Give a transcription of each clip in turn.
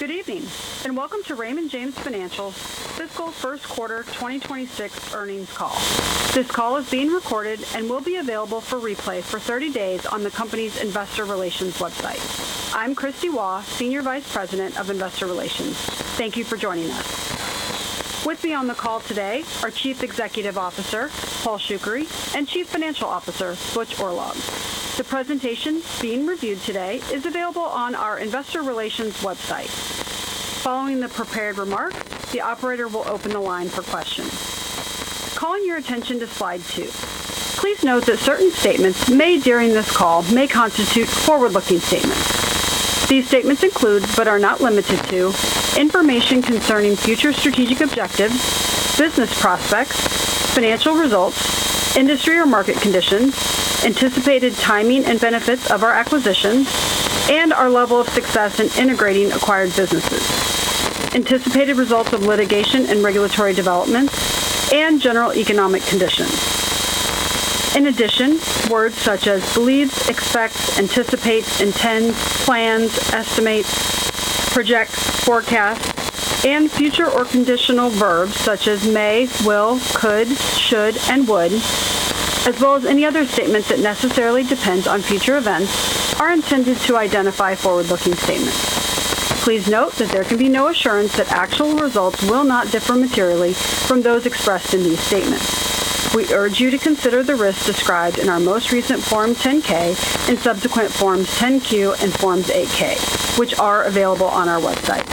Good evening, and welcome to Raymond James Financial's Fiscal First Quarter 2026 earnings call. This call is being recorded and will be available for replay for 30 days on the company's investor relations website. I'm Kristie Waugh, Senior Vice President of Investor Relations. Thank you for joining us. With me on the call today are Chief Executive Officer, Paul Shoukry, and Chief Financial Officer, Butch Oorlog. The presentation being reviewed today is available on our investor relations website. Following the prepared remarks, the operator will open the line for questions. Calling your attention to slide 2. Please note that certain statements made during this call may constitute forward-looking statements. These statements include, but are not limited to, information concerning future strategic objectives, business prospects, financial results, industry or market conditions, anticipated timing and benefits of our acquisitions, and our level of success in integrating acquired businesses, anticipated results of litigation and regulatory developments, and general economic conditions. In addition, words such as believes, expects, anticipates, intends, plans, estimates, projects, forecasts, and future or conditional verbs such as may, will, could, should, and would, as well as any other statements that necessarily depend on future events, are intended to identify forward-looking statements. Please note that there can be no assurance that actual results will not differ materially from those expressed in these statements. We urge you to consider the risks described in our most recent Form 10-K and subsequent Forms 10-Q and Forms 8-K, which are available on our website.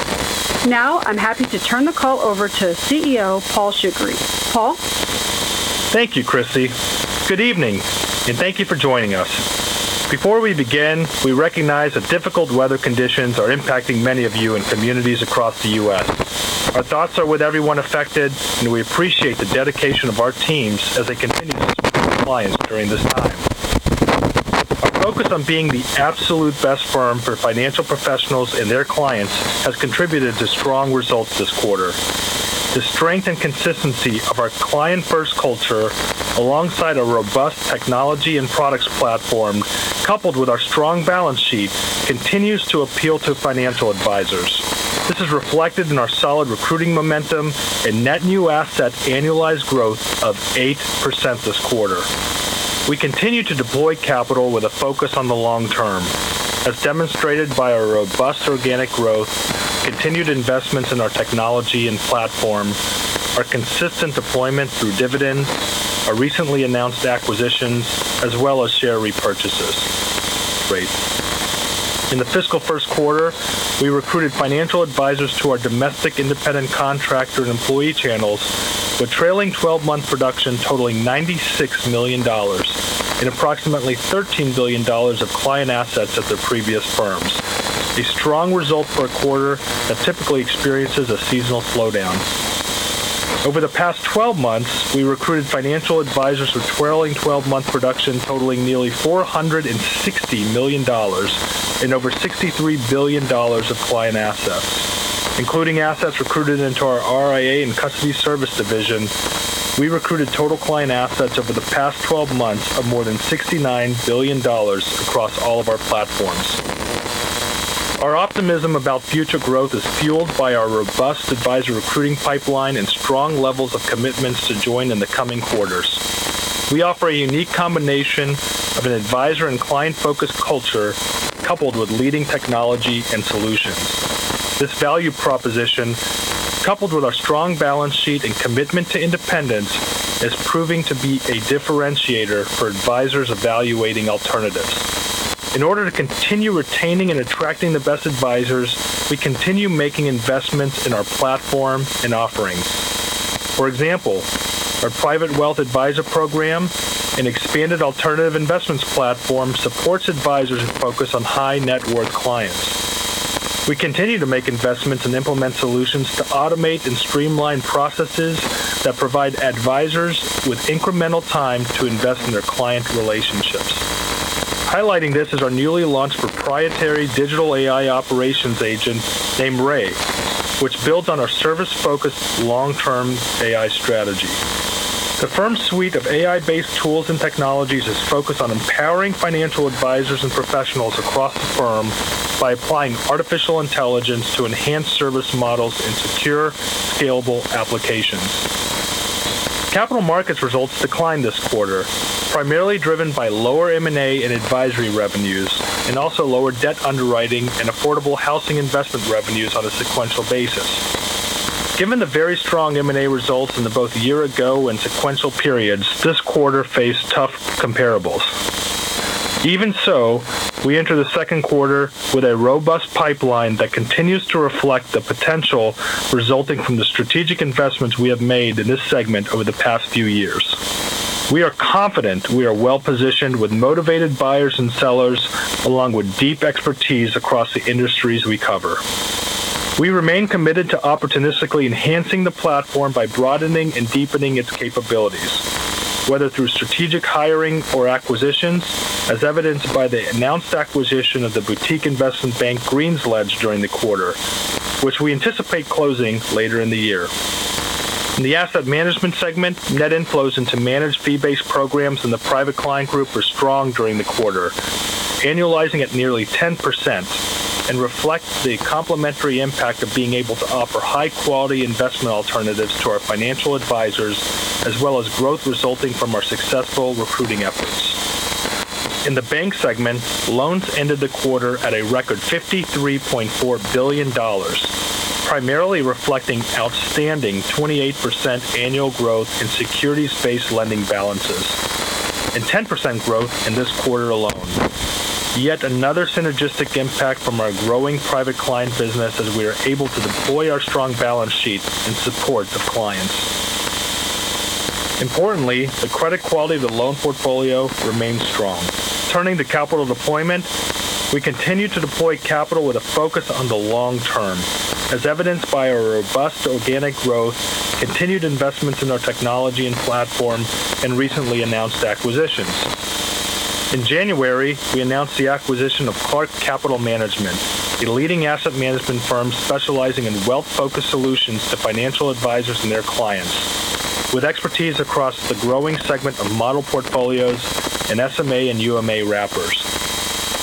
Now, I'm happy to turn the call over to CEO, Paul Shoukry. Paul? Thank you, Christie. Good evening, and thank you for joining us. Before we begin, we recognize that difficult weather conditions are impacting many of you in communities across the U.S. Our thoughts are with everyone affected, and we appreciate the dedication of our teams as they continue to support their clients during this time. Our focus on being the absolute best firm for financial professionals and their clients has contributed to strong results this quarter. The strength and consistency of our client-first culture, alongside a robust technology and products platform, coupled with our strong balance sheet, continues to appeal to financial advisors. This is reflected in our solid recruiting momentum and net new asset annualized growth of 8% this quarter. We continue to deploy capital with a focus on the long term, as demonstrated by our robust organic growth, continued investments in our technology and platform, our consistent deployment through dividends, our recently announced acquisitions, as well as share repurchases. Great. In the fiscal first quarter, we recruited financial advisors to our domestic independent contractor and employee channels, with trailing twelve-month production totaling $96 million and approximately $13 billion of client assets at their previous firms. A strong result for a quarter that typically experiences a seasonal slowdown. Over the past twelve months, we recruited financial advisors with trailing twelve-month production totaling nearly $460 million and over $63 billion of client assets. Including assets recruited into our RIA and custody service division, we recruited total client assets over the past twelve months of more than $69 billion across all of our platforms. Our optimism about future growth is fueled by our robust advisor recruiting pipeline and strong levels of commitments to join in the coming quarters. We offer a unique combination of an advisor and client-focused culture, coupled with leading technology and solutions. This value proposition, coupled with our strong balance sheet and commitment to independence, is proving to be a differentiator for advisors evaluating alternatives. In order to continue retaining and attracting the best advisors, we continue making investments in our platform and offerings. For example, our private wealth advisor program and expanded alternative investments platform supports advisors who focus on high-net-worth clients. We continue to make investments and implement solutions to automate and streamline processes that provide advisors with incremental time to invest in their client relationships. Highlighting this is our newly launched proprietary digital AI operations agent named Rai, which builds on our service-focused, long-term AI strategy. The firm's suite of AI-based tools and technologies is focused on empowering financial advisors and professionals across the firm by applying artificial intelligence to enhance service models in secure, scalable applications. Capital markets results declined this quarter, primarily driven by lower M&A and advisory revenues, and also lower debt underwriting and affordable housing investment revenues on a sequential basis. Given the very strong M&A results in both the year-ago and sequential periods, this quarter faced tough comparables. Even so, we enter the second quarter with a robust pipeline that continues to reflect the potential resulting from the strategic investments we have made in this segment over the past few years. We are confident we are well-positioned with motivated buyers and sellers, along with deep expertise across the industries we cover. We remain committed to opportunistically enhancing the platform by broadening and deepening its capabilities, whether through strategic hiring or acquisitions, as evidenced by the announced acquisition of the boutique investment bank, GreensLedge, during the quarter, which we anticipate closing later in the year. In the Asset Management segment, net inflows into managed fee-based programs in the Private Client Group were strong during the quarter, annualizing at nearly 10%, and reflect the complementary impact of being able to offer high-quality investment alternatives to our financial advisors, as well as growth resulting from our successful recruiting efforts. In the Bank segment, loans ended the quarter at a record $53.4 billion, primarily reflecting outstanding 28% annual growth in securities-based lending balances and 10% growth in this quarter alone. Yet another synergistic impact from our growing private client business, as we are able to deploy our strong balance sheet in support of clients. Importantly, the credit quality of the loan portfolio remains strong. Turning to capital deployment, we continue to deploy capital with a focus on the long term, as evidenced by our robust organic growth, continued investments in our technology and platform, and recently announced acquisitions. In January, we announced the acquisition of Clark Capital Management, a leading asset management firm specializing in wealth-focused solutions to financial advisors and their clients, with expertise across the growing segment of model portfolios and SMA and UMA wrappers.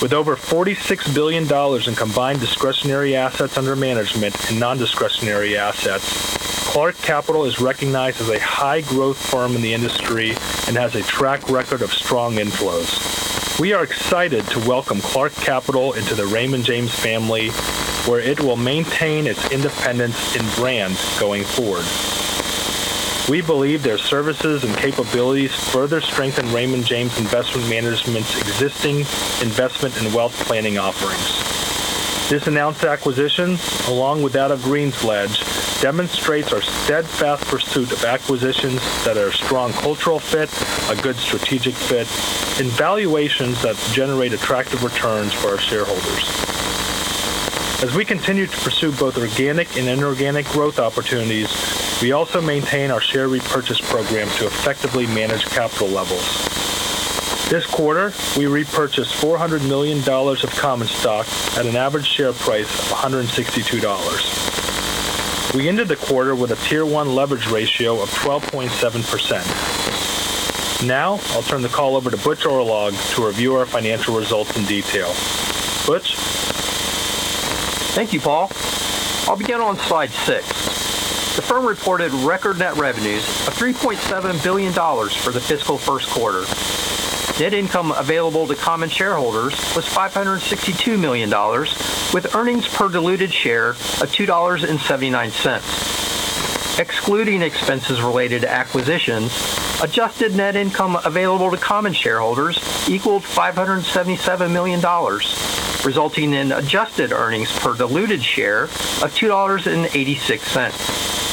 With over $46 billion in combined discretionary assets under management and non-discretionary assets, Clark Capital is recognized as a high-growth firm in the industry and has a track record of strong inflows. We are excited to welcome Clark Capital into the Raymond James family, where it will maintain its independence in brands going forward. We believe their services and capabilities further strengthen Raymond James Investment Management's existing investment and wealth planning offerings. This announced acquisition, along with that of GreensLedge, demonstrates our steadfast pursuit of acquisitions that are a strong cultural fit, a good strategic fit, and valuations that generate attractive returns for our shareholders. As we continue to pursue both organic and inorganic growth opportunities, we also maintain our share repurchase program to effectively manage capital levels. This quarter, we repurchased $400 million of common stock at an average share price of $162. We ended the quarter with a Tier 1 Leverage Ratio of 12.7%. Now, I'll turn the call over to Butch Oorlog to review our financial results in detail. Butch? Thank you, Paul. I'll begin on slide six. The firm reported record net revenues of $3.7 billion for the fiscal first quarter. Net income available to common shareholders was $562 million, with earnings per diluted share of $2.79. Excluding expenses related to acquisitions, adjusted net income available to common shareholders equaled $577 million, resulting in adjusted earnings per diluted share of $2.86.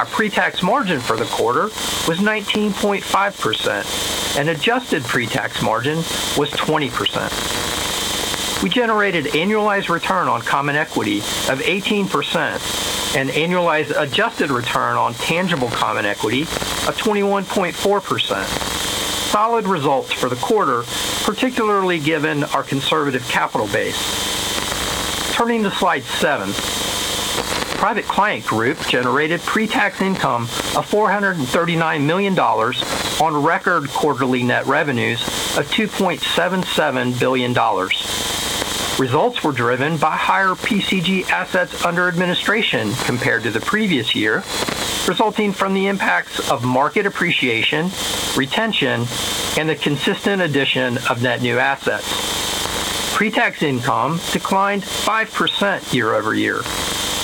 Our pre-tax margin for the quarter was 19.5%, and adjusted pre-tax margin was 20%. We generated annualized return on common equity of 18% and annualized adjusted return on tangible common equity of 21.4%. Solid results for the quarter, particularly given our conservative capital base. Turning to slide seven, Private Client Group generated pre-tax income of $439 million on record quarterly net revenues of $2.77 billion. Results were driven by higher PCG assets under administration compared to the previous year, resulting from the impacts of market appreciation, retention, and the consistent addition of net new assets. Pre-tax income declined 5% year-over-year,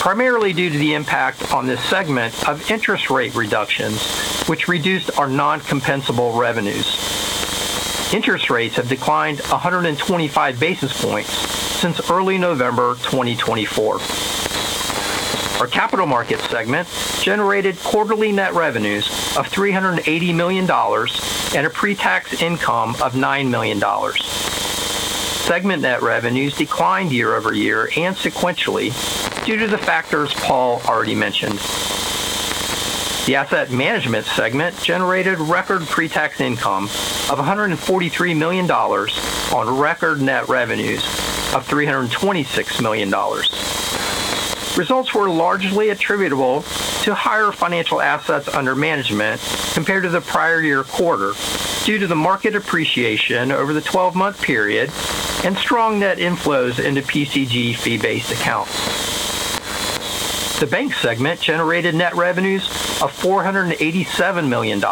primarily due to the impact on this segment of interest rate reductions, which reduced our non-compensable revenues. Interest rates have declined 125 basis points since early November 2024. Our Capital Markets segment generated quarterly net revenues of $380 million and a pre-tax income of $9 million. Segment net revenues declined year-over-year and sequentially due to the factors Paul already mentioned. The Asset Management segment generated record pre-tax income of $143 million on record net revenues of $326 million. Results were largely attributable to higher financial assets under management compared to the prior year quarter, due to the market appreciation over the twelve-month period and strong net inflows into PCG fee-based accounts. The Bank segment generated net revenues of $487 million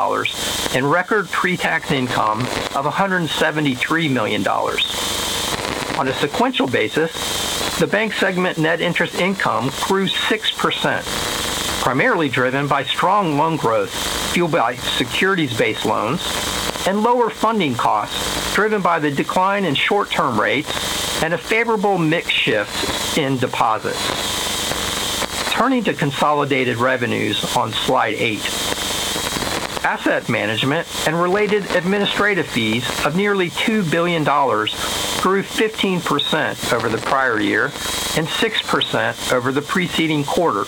and record pre-tax income of $173 million. On a sequential basis, the Bank segment net interest income grew 6%, primarily driven by strong loan growth, fueled by securities-based loans and lower funding costs, driven by the decline in short-term rates and a favorable mix shift in deposits. Turning to consolidated revenues on slide eight. Asset management and related administrative fees of nearly $2 billion grew 15% over the prior year and 6% over the preceding quarter.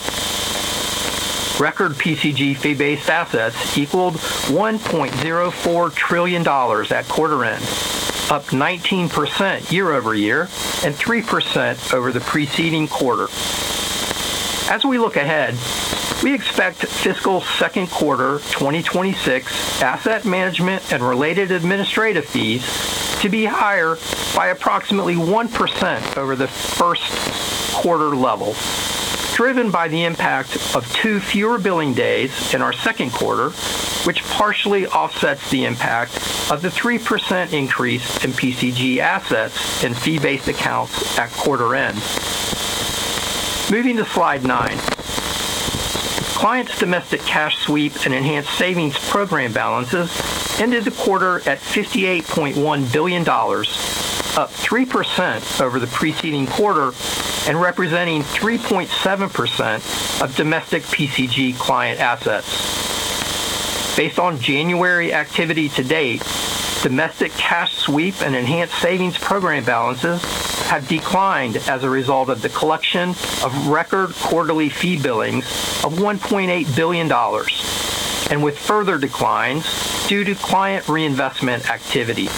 Record PCG fee-based assets equaled $1.04 trillion at quarter end, up 19% year-over-year and 3% over the preceding quarter. As we look ahead, we expect fiscal second quarter 2026 asset management and related administrative fees to be higher by approximately 1% over the first quarter level, driven by the impact of two fewer billing days in our second quarter, which partially offsets the impact of the 3% increase in PCG assets and fee-based accounts at quarter end. Moving to Slide nine. Clients' domestic cash sweep and Enhanced Savings Program balances ended the quarter at $58.1 billion, up 3% over the preceding quarter and representing 3.7% of domestic PCG client assets. Based on January activity to date, domestic cash sweep and Enhanced Savings Program balances have declined as a result of the collection of record quarterly fee billings of $1.8 billion, and with further declines due to client reinvestment activity.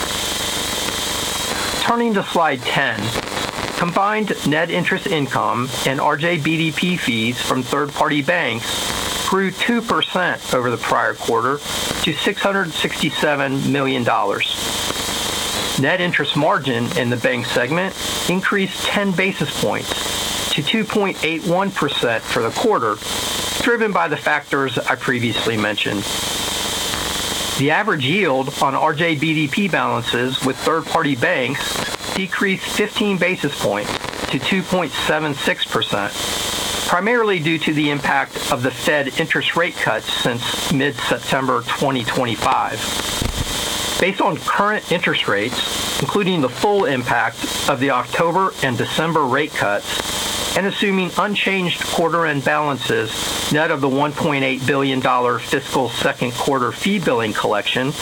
Turning to Slide 10. Combined net interest income and RJBDP fees from third-party banks grew 2% over the prior quarter to $667 million. Net interest margin in the Bank segment increased 10 basis points to 2.81% for the quarter, driven by the factors I previously mentioned. The average yield on RJBDP balances with third-party banks decreased 15 basis points to 2.76%, primarily due to the impact of the Fed interest rate cuts since mid-September 2025. Based on current interest rates, including the full impact of the October and December rate cuts, and assuming unchanged quarter-end balances, net of the $1.8 billion fiscal second quarter fee billing collection,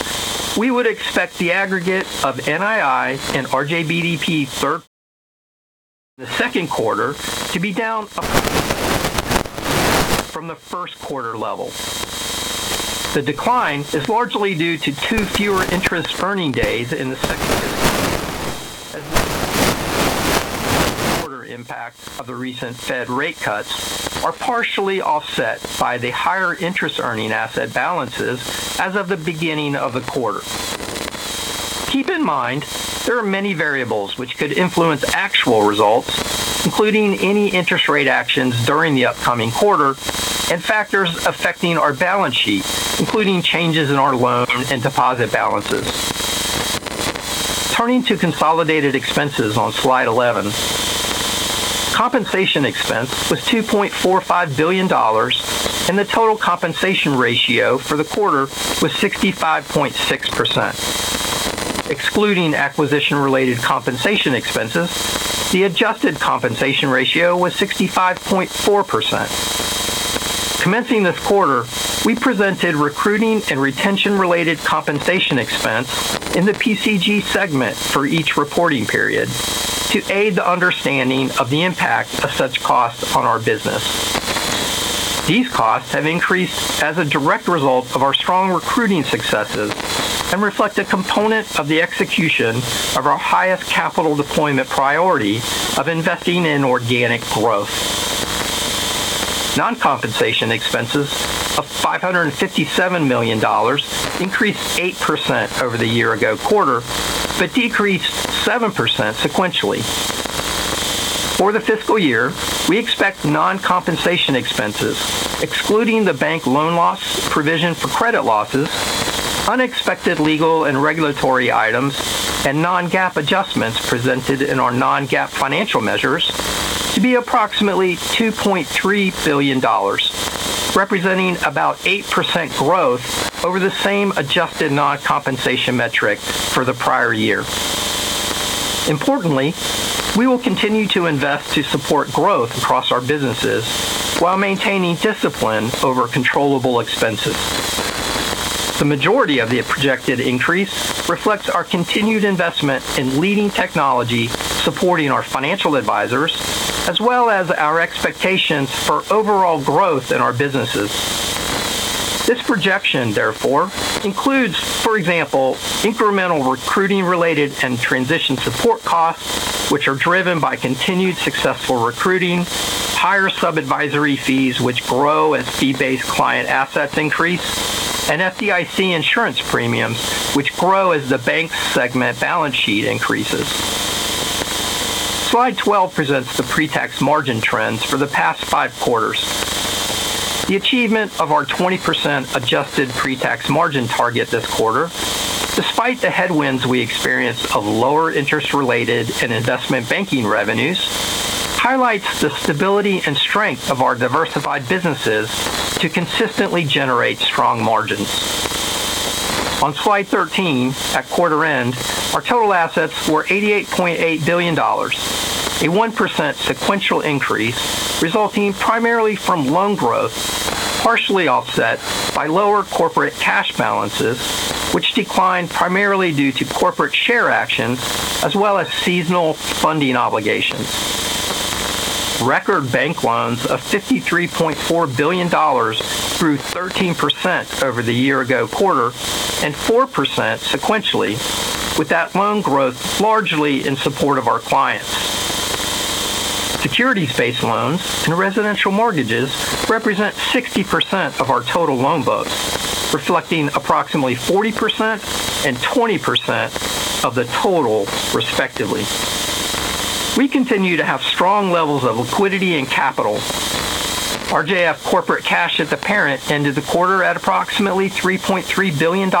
we would expect the aggregate of NII and RJBDP fees in the second quarter to be down from the first quarter level. The decline is largely due to two fewer interest earning days in the second quarter. As the [inaudible] first quarter impacts of the recent Fed rate cuts are partially offset by the higher interest earning asset balances as of the beginning of the quarter. Keep in mind, there are many variables which could influence actual results, including any interest rate actions during the upcoming quarter and factors affecting our balance sheet, including changes in our loan and deposit balances. Turning to consolidated expenses on Slide 11. Compensation expense was $2.45 billion, and the total compensation ratio for the quarter was 65.6%. Excluding acquisition-related compensation expenses, the adjusted compensation ratio was 65.4%. Commencing this quarter, we presented recruiting and retention-related compensation expense in the PCG segment for each reporting period to aid the understanding of the impact of such costs on our business. These costs have increased as a direct result of our strong recruiting successes and reflect a component of the execution of our highest capital deployment priority of investing in organic growth. Non-compensation expenses of $557 million increased 8% over the year ago quarter, but decreased 7% sequentially. For the fiscal year, we expect non-compensation expenses, excluding the bank loan loss, provision for credit losses, unexpected legal and regulatory items, and non-GAAP adjustments presented in our non-GAAP financial measures to be approximately $2.3 billion, representing about 8% growth over the same adjusted non-compensation metric for the prior year. Importantly, we will continue to invest to support growth across our businesses while maintaining discipline over controllable expenses. The majority of the projected increase reflects our continued investment in leading technology, supporting our financial advisors, as well as our expectations for overall growth in our businesses. This projection, therefore, includes, for example, incremental recruiting-related and transition support costs, which are driven by continued successful recruiting, higher sub-advisory fees which grow as fee-based client assets increase, and FDIC insurance premiums, which grow as the Bank segment balance sheet increases. Slide 12 presents the pre-tax margin trends for the past five quarters. The achievement of our 20% adjusted pre-tax margin target this quarter, despite the headwinds we experienced of lower interest-related and investment banking revenues, highlights the stability and strength of our diversified businesses to consistently generate strong margins. On Slide 13, at quarter end, our total assets were $88.8 billion, a 1% sequential increase, resulting primarily from loan growth, partially offset by lower corporate cash balances, which declined primarily due to corporate share actions as well as seasonal funding obligations. Record bank loans of $53.4 billion grew 13% over the year-ago quarter and 4% sequentially, with that loan growth largely in support of our clients. Securities-based loans and residential mortgages represent 60% of our total loan books, reflecting approximately 40% and 20% of the total, respectively. We continue to have strong levels of liquidity and capital. RJF corporate cash at the parent ended the quarter at approximately $3.3 billion,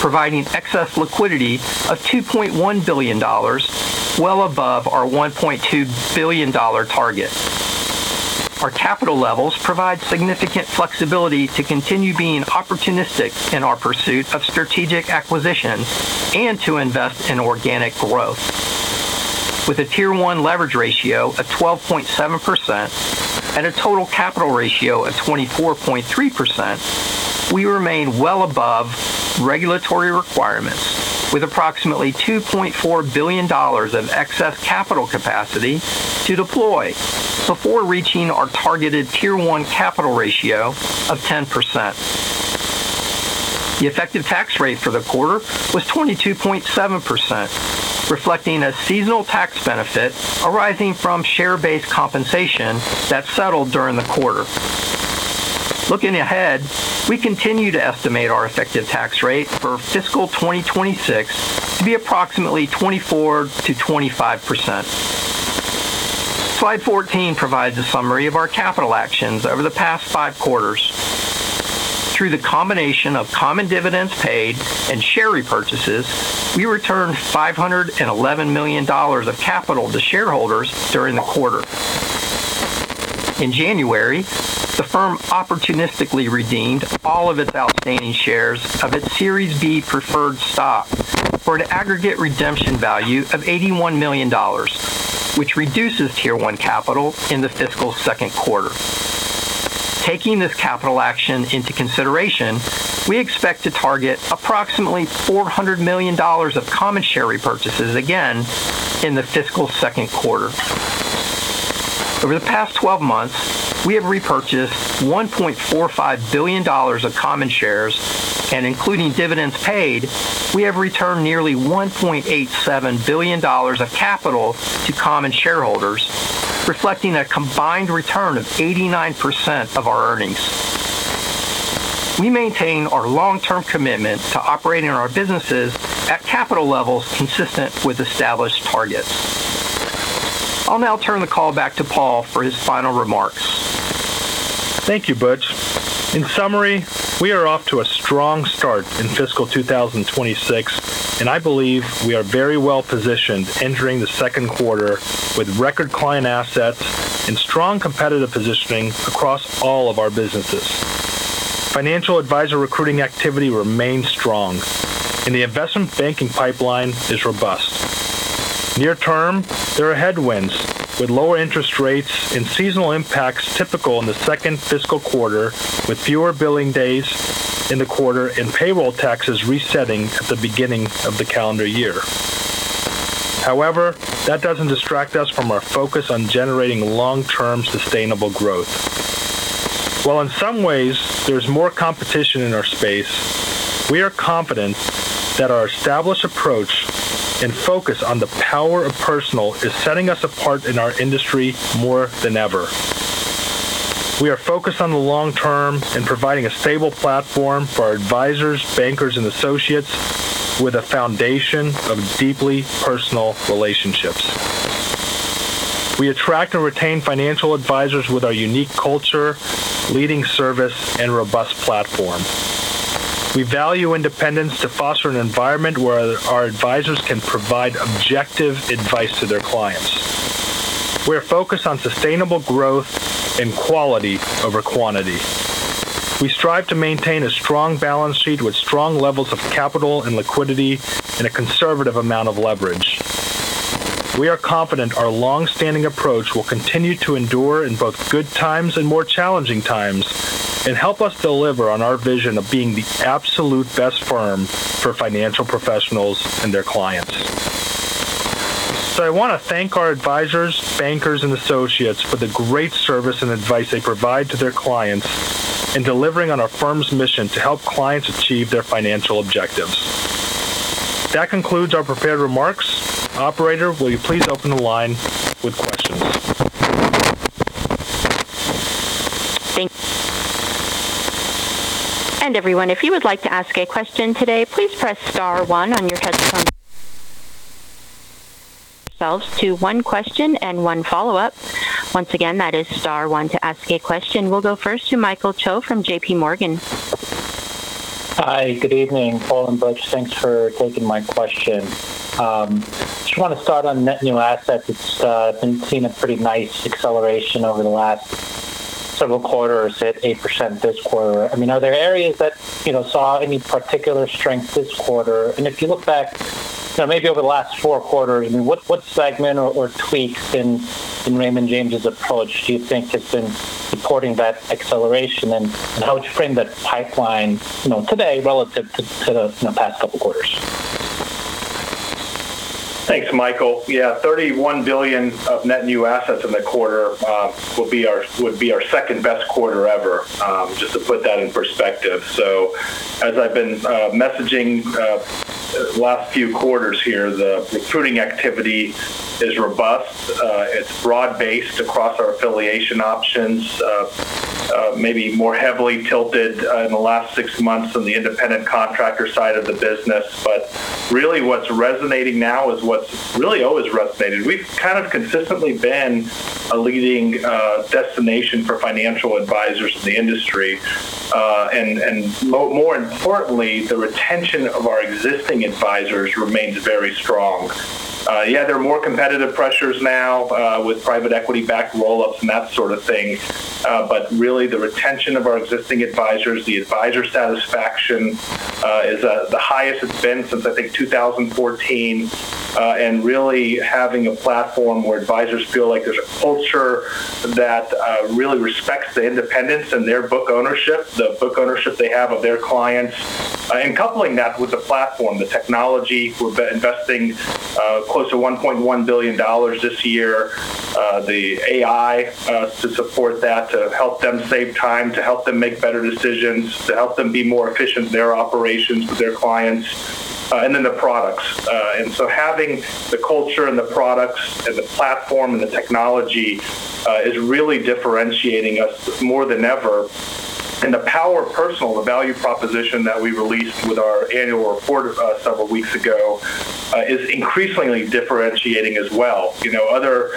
providing excess liquidity of $2.1 billion, well above our $1.2 billion-target. Our capital levels provide significant flexibility to continue being opportunistic in our pursuit of strategic acquisitions and to invest in organic growth. With a Tier 1 Leverage Ratio of 12.7% and a Total Capital Ratio of 24.3%, we remain well above regulatory requirements, with approximately $2.4 billion of excess capital capacity to deploy before reaching our targeted Tier 1 Capital Ratio of 10%. The effective tax rate for the quarter was 22.7%, reflecting a seasonal tax benefit arising from share-based compensation that settled during the quarter. Looking ahead, we continue to estimate our effective tax rate for fiscal 2026 to be approximately 24%-25%. Slide 14 provides a summary of our capital actions over the past five quarters. Through the combination of common dividends paid and share repurchases, we returned $511 million of capital to shareholders during the quarter. In January, the firm opportunistically redeemed all of its outstanding shares of its Series B preferred stock for an aggregate redemption value of $81 million, which reduces Tier 1 capital in the fiscal second quarter. Taking this capital action into consideration, we expect to target approximately $400 million of common share repurchases again in the fiscal second quarter. Over the past 12 months, we have repurchased $1.45 billion of common shares, and including dividends paid, we have returned nearly $1.87 billion of capital to common shareholders, reflecting a combined return of 89% of our earnings. We maintain our long-term commitment to operating our businesses at capital levels consistent with established targets. I'll now turn the call back to Paul for his final remarks. Thank you, Butch. In summary, we are off to a strong start in fiscal 2026, and I believe we are very well-positioned entering the second quarter with record client assets and strong competitive positioning across all of our businesses. Financial advisor recruiting activity remains strong, and the investment banking pipeline is robust. Near term, there are headwinds, with lower interest rates and seasonal impacts typical in the second fiscal quarter, with fewer billing days in the quarter and payroll taxes resetting at the beginning of the calendar year. However, that doesn't distract us from our focus on generating long-term, sustainable growth. While in some ways there's more competition in our space, we are confident that our established approach and focus on the Power of Personal is setting us apart in our industry more than ever. We are focused on the long term and providing a stable platform for our advisors, bankers, and associates with a foundation of deeply personal relationships. We attract and retain financial advisors with our unique culture, leading service, and robust platform. We value independence to foster an environment where our advisors can provide objective advice to their clients. We are focused on sustainable growth and quality over quantity. We strive to maintain a strong balance sheet with strong levels of capital and liquidity and a conservative amount of leverage. We are confident our long-standing approach will continue to endure in both good times and more challenging times and help us deliver on our vision of being the absolute best firm for financial professionals and their clients. So I want to thank our advisors, bankers, and associates for the great service and advice they provide to their clients in delivering on our firm's mission to help clients achieve their financial objectives. That concludes our prepared remarks. Operator, will you please open the line with questions? Thank you. And everyone, if you would like to ask a question today, please press star one on your telephone. Limit yourselves to one question and one follow-up. Once again, that is star one to ask a question. We'll go first to Michael Cho from JPMorgan. Hi, good evening, Paul and Butch. Thanks for taking my question. Just want to start on net new assets. It's been seeing a pretty nice acceleration over the last several quarters at 8% this quarter. I mean, are there areas that, you know, saw any particular strength this quarter? And if you look back, you know, maybe over the last four quarters, I mean, what segment or tweaks in Raymond James' approach do you think has been supporting that acceleration? And how would you frame that pipeline, you know, today relative to the past couple quarters?... Thanks, Michael. Yeah, $31 billion of net new assets in the quarter will be our, would be our second-best quarter ever, just to put that in perspective. So as I've been messaging the last few quarters here, the recruiting activity is robust. It's broad-based across our affiliation options, maybe more heavily tilted in the last six months on the independent contractor side of the business. But really, what's resonating now is what's really always resonated. We've kind of consistently been a leading destination for financial advisors in the industry. And more importantly, the retention of our existing advisors remains very strong. Yeah, there are more competitive pressures now with private equity-backed roll-ups and that sort of thing. But really, the retention of our existing advisors, the advisor satisfaction, is at the highest it's been since, I think, 2014. And really having a platform where advisors feel like there's a culture that really respects the independence and their book ownership, the book ownership they have of their clients. And coupling that with the platform, the technology, we've been investing close to $1.1 billion this year, the AI, to support that, to help them save time, to help them make better decisions, to help them be more efficient in their operations with their clients, and then the products. And so having the culture and the products and the platform and the technology is really differentiating us more than ever. The powerfully personal, the value proposition that we released with our annual report, several weeks ago, is increasingly differentiating as well. You know, other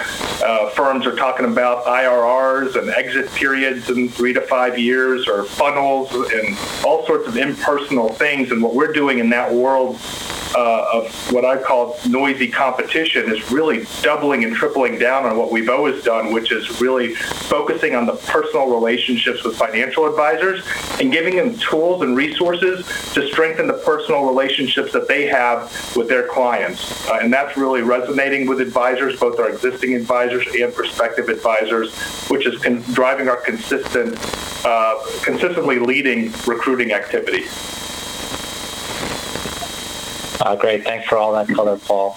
firms are talking about IRRs and exit periods in three to five years, or funnels and all sorts of impersonal things. What we're doing in that world, of what I call noisy competition, is really doubling and tripling down on what we've always done, which is really focusing on the personal relationships with financial advisors and giving them tools and resources to strengthen the personal relationships that they have with their clients. That's really resonating with advisors, both our existing advisors and prospective advisors, which is driving our consistent, consistently leading recruiting activity. Great. Thanks for all that color, Paul.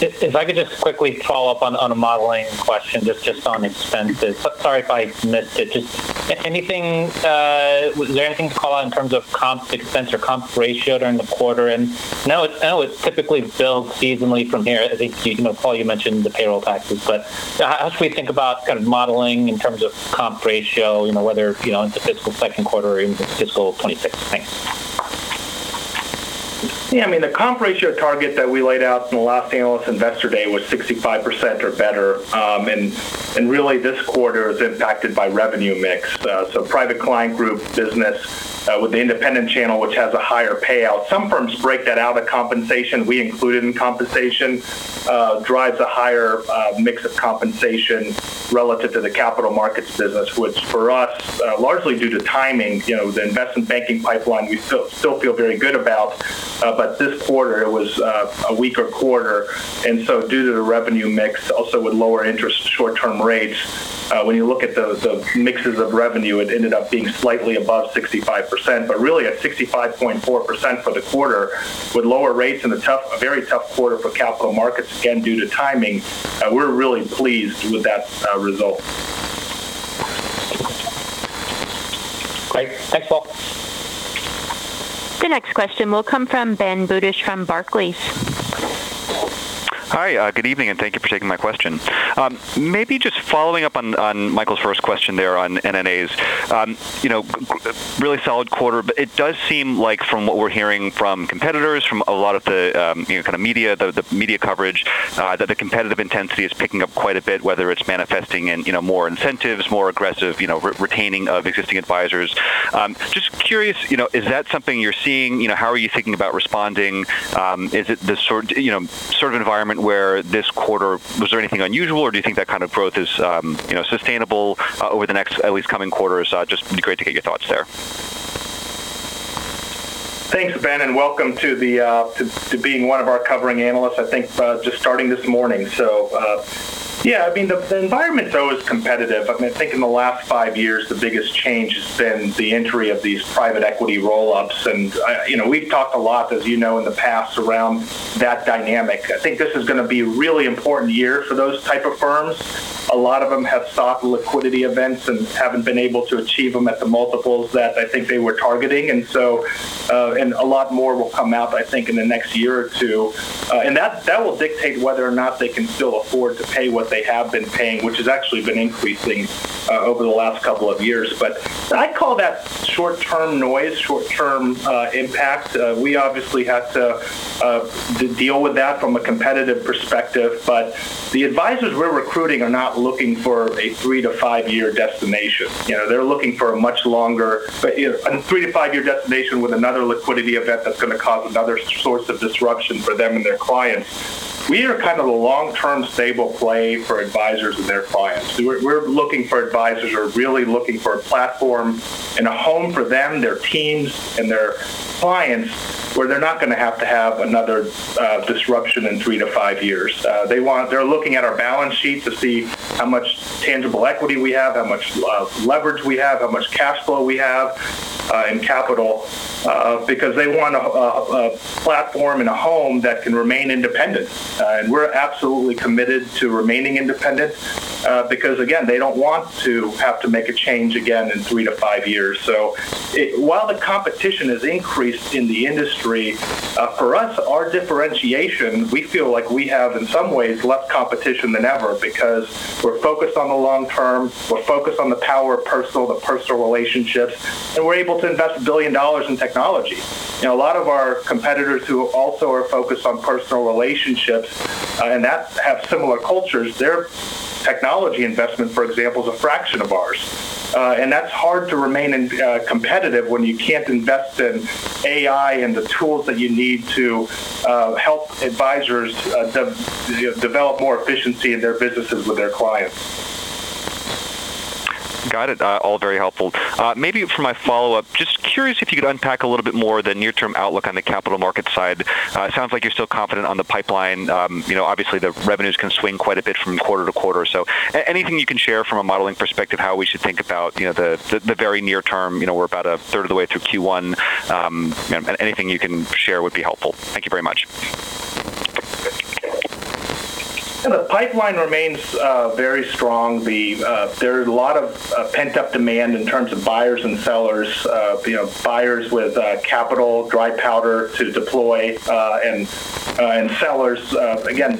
If I could just quickly follow up on a modeling question, just on expenses. Sorry if I missed it. Just anything, was there anything to call out in terms of comp expense or comp ratio during the quarter? And I know it, I know it's typically billed seasonally from here. I think, you know, Paul, you mentioned the payroll taxes, but how should we think about kind of modeling in terms of comp ratio, you know, whether, you know, it's a fiscal second quarter or even fiscal 2026? Thanks. Yeah, I mean, the comp ratio target that we laid out in the last analyst investor day was 65% or better. Really, this quarter is impacted by revenue mix. So Private Client Group business, with the independent channel, which has a higher payout. Some firms break that out of compensation. We include it in compensation, drives a higher mix of compensation relative to the Capital Markets business, which for us, largely due to timing, you know, the investment banking pipeline, we still feel very good about. But this quarter it was a weaker quarter, and so due to the revenue mix, also with lower interest short-term rates, when you look at the mixes of revenue, it ended up being slightly above 65%. But really at 65.4% for the quarter, with lower rates and a very tough quarter for capital markets, again, due to timing, we're really pleased with that result. Great. Thanks, Paul. The next question will come from Ben Budish from Barclays. Hi, good evening, and thank you for taking my question. Maybe just following up on, on Michael's first question there on NNAs. You know, really solid quarter, but it does seem like from what we're hearing from competitors, from a lot of the, you know, kind of media, the, the media coverage, that the competitive intensity is picking up quite a bit, whether it's manifesting in, you know, more incentives, more aggressive, you know, retaining of existing advisors. Just curious, you know, is that something you're seeing? You know, how are you thinking about responding? Is it the sort, you know, sort of environment where this quarter, was there anything unusual, or do you think that kind of growth is, you know, sustainable, over the next at least coming quarters? Just be great to get your thoughts there. Thanks, Ben, and welcome to the, to, to being one of our covering analysts, I think, just starting this morning. So, yeah, I mean, the environment's always competitive. I mean, I think in the last five years, the biggest change has been the entry of these private equity roll-ups. And, you know, we've talked a lot, as you know, in the past, around that dynamic. I think this is going to be a really important year for those type of firms. A lot of them have stock liquidity events and haven't been able to achieve them at the multiples that I think they were targeting. And so, and a lot more will come out, I think, in the next year or two. And that, that will dictate whether or not they can still afford to pay what they have been paying, which has actually been increasing over the last couple of years. But I call that short-term noise, short-term impact. We obviously have to deal with that from a competitive perspective, but the advisors we're recruiting are not looking for a three-five-year destination. You know, they're looking for a much longer… But, you know, a three-five-year destination with another liquidity event that's going to cause another source of disruption for them and their clients… we are kind of a long-term stable play for advisors and their clients. We're, we're looking for advisors who are really looking for a platform and a home for them, their teams, and their clients, where they're not going to have to have another disruption in three-five years. They want—they're looking at our balance sheet to see how much tangible equity we have, how much leverage we have, how much cash flow we have in capital, because they want a platform and a home that can remain independent. And we're absolutely committed to remaining independent, because, again, they don't want to have to make a change again in three-five years. So while the competition has increased in the industry, for us, our differentiation, we feel like we have, in some ways, less competition than ever because we're focused on the long term, we're focused on the Power of Personal, the personal relationships, and we're able to invest $1 billion in technology. You know, a lot of our competitors who also are focused on personal relationships, and that have similar cultures, their technology investment, for example, is a fraction of ours. And that's hard to remain in competitive when you can't invest in AI and the tools that you need to help advisors develop more efficiency in their businesses with their clients. Got it. All very helpful. Maybe for my follow-up, just curious if you could unpack a little bit more the near-term outlook on the capital market side. It sounds like you're still confident on the pipeline. You know, obviously, the revenues can swing quite a bit from quarter to quarter. So anything you can share from a modeling perspective, how we should think about, you know, the very near term. You know, we're about a third of the way through Q1. Anything you can share would be helpful. Thank you very much. The pipeline remains very strong. There are a lot of pent-up demand in terms of buyers and sellers, you know, buyers with capital, dry powder to deploy, and sellers. Again,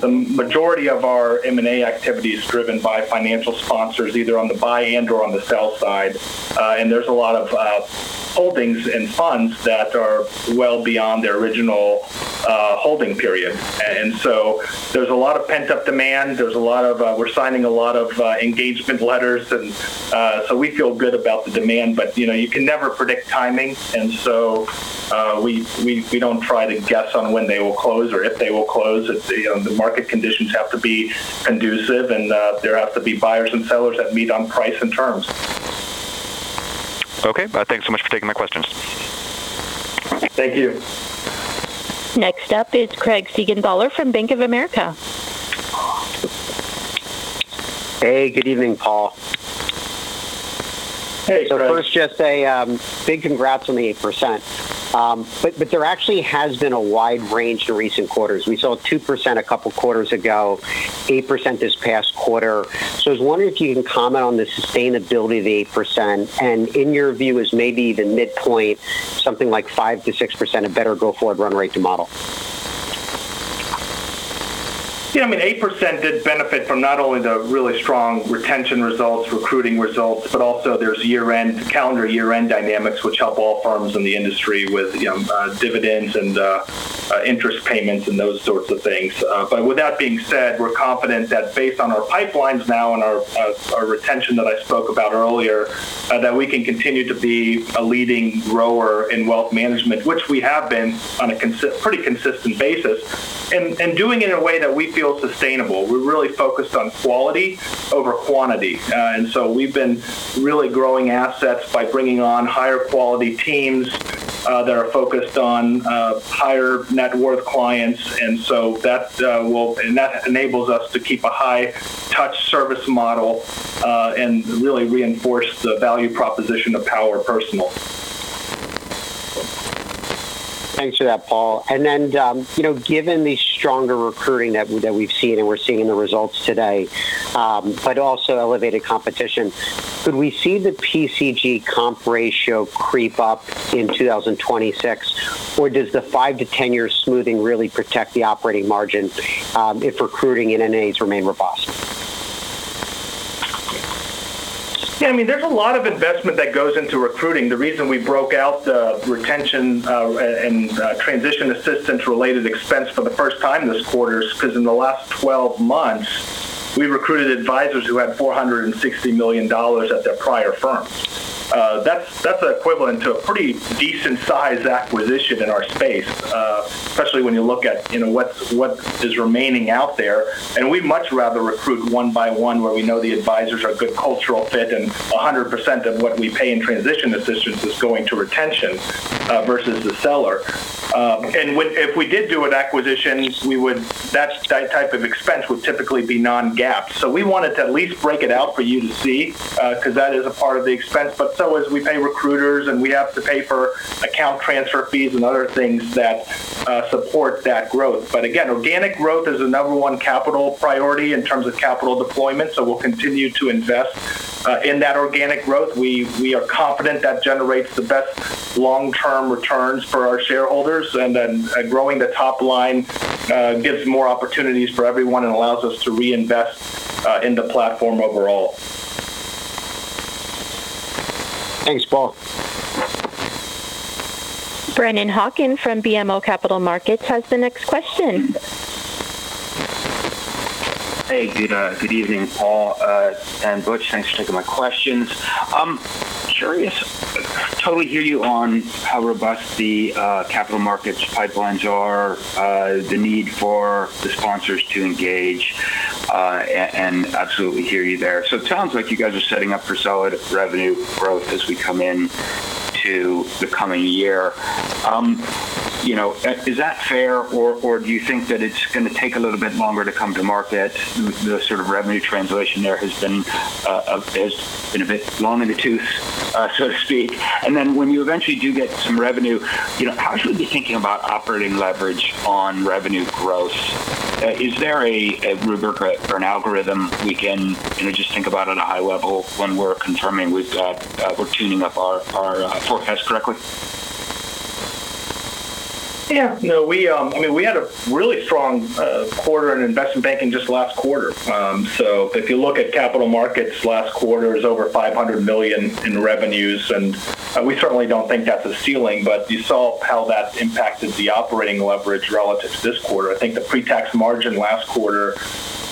the majority of our M&A activity is driven by financial sponsors, either on the buy and or on the sell side. And there's a lot of holdings and funds that are well beyond their original holding period. And so there's a lot of pent-up demand. There's a lot of, we're signing a lot of engagement letters, and so we feel good about the demand. But, you know, you can never predict timing, and so we don't try to guess on when they will close or if they will close. It's, you know, the market conditions have to be conducive, and there have to be buyers and sellers that meet on price and terms. Okay. Thanks so much for taking my questions. Thank you. Next up is Craig Siegenthaler from Bank of America. Hey, good evening, Paul. Hey, Craig. So first, just a big congrats on the 8%. But there actually has been a wide range in recent quarters. We saw 2% a couple of quarters ago, 8% this past quarter. So I was wondering if you can comment on the sustainability of the 8%, and in your view, is maybe the midpoint, something like 5%-6%, a better go-forward run rate to model? Yeah, I mean, 8% did benefit from not only the really strong retention results, recruiting results, but also there's year-end, calendar year-end dynamics, which help all firms in the industry with, you know, dividends and, interest payments and those sorts of things. But with that being said, we're confident that based on our pipelines now and our, our retention that I spoke about earlier, that we can continue to be a leading grower in wealth management, which we have been on a pretty consistent basis, and, and doing it in a way that we feel sustainable. We're really focused on quality over quantity. And so we've been really growing assets by bringing on higher quality teams, that are focused on, higher net worth clients. And so that, and that enables us to keep a high touch service model, and really reinforce the value proposition of power personal. Thanks for that, Paul. And then, you know, given the stronger recruiting that we, that we've seen and we're seeing in the results today, but also elevated competition, could we see the PCG comp ratio creep up in 2026? Or does the 5-10-year smoothing really protect the operating margin, if recruiting and M&As remain robust? Yeah, I mean, there's a lot of investment that goes into recruiting. The reason we broke out the retention and transition assistance-related expense for the first time this quarter is because in the last 12 months, we recruited advisors who had $460 million at their prior firms. That's equivalent to a pretty decent size acquisition in our space, especially when you look at, you know, what is remaining out there. And we'd much rather recruit one by one, where we know the advisors are a good cultural fit, and 100% of what we pay in transition assistance is going to retention versus the seller. And if we did do an acquisition, that type of expense would typically be non-GAAP. So we wanted to at least break it out for you to see, because that is a part of the expense. So as we pay recruiters, and we have to pay for account transfer fees and other things that support that growth. But again, organic growth is the number one capital priority in terms of capital deployment, so we'll continue to invest in that organic growth. We are confident that generates the best long-term returns for our shareholders, and then growing the top line gives more opportunities for everyone and allows us to reinvest in the platform overall. Thanks, Paul. Brennan Hawken from BMO Capital Markets has the next question.... Hey, good evening, Paul and Butch. Thanks for taking my questions. Curious, totally hear you on how robust the capital markets pipelines are, the need for the sponsors to engage, and absolutely hear you there. So it sounds like you guys are setting up for solid revenue growth as we come in to the coming year. You know, is that fair, or do you think that it's going to take a little bit longer to come to market? The sort of revenue translation there has been has been a bit long in the tooth, so to speak. And then when you eventually do get some revenue, you know, how should we be thinking about operating leverage on revenue growth? Is there a rubric or an algorithm we can, you know, just think about at a high level when we're confirming with, we're tuning up our forecast correctly? Yeah. No, we, I mean, we had a really strong quarter in investment banking just last quarter. So if you look at capital markets last quarter, it was over $500 million in revenues, and we certainly don't think that's a ceiling, but you saw how that impacted the operating leverage relative to this quarter. I think the pre-tax margin last quarter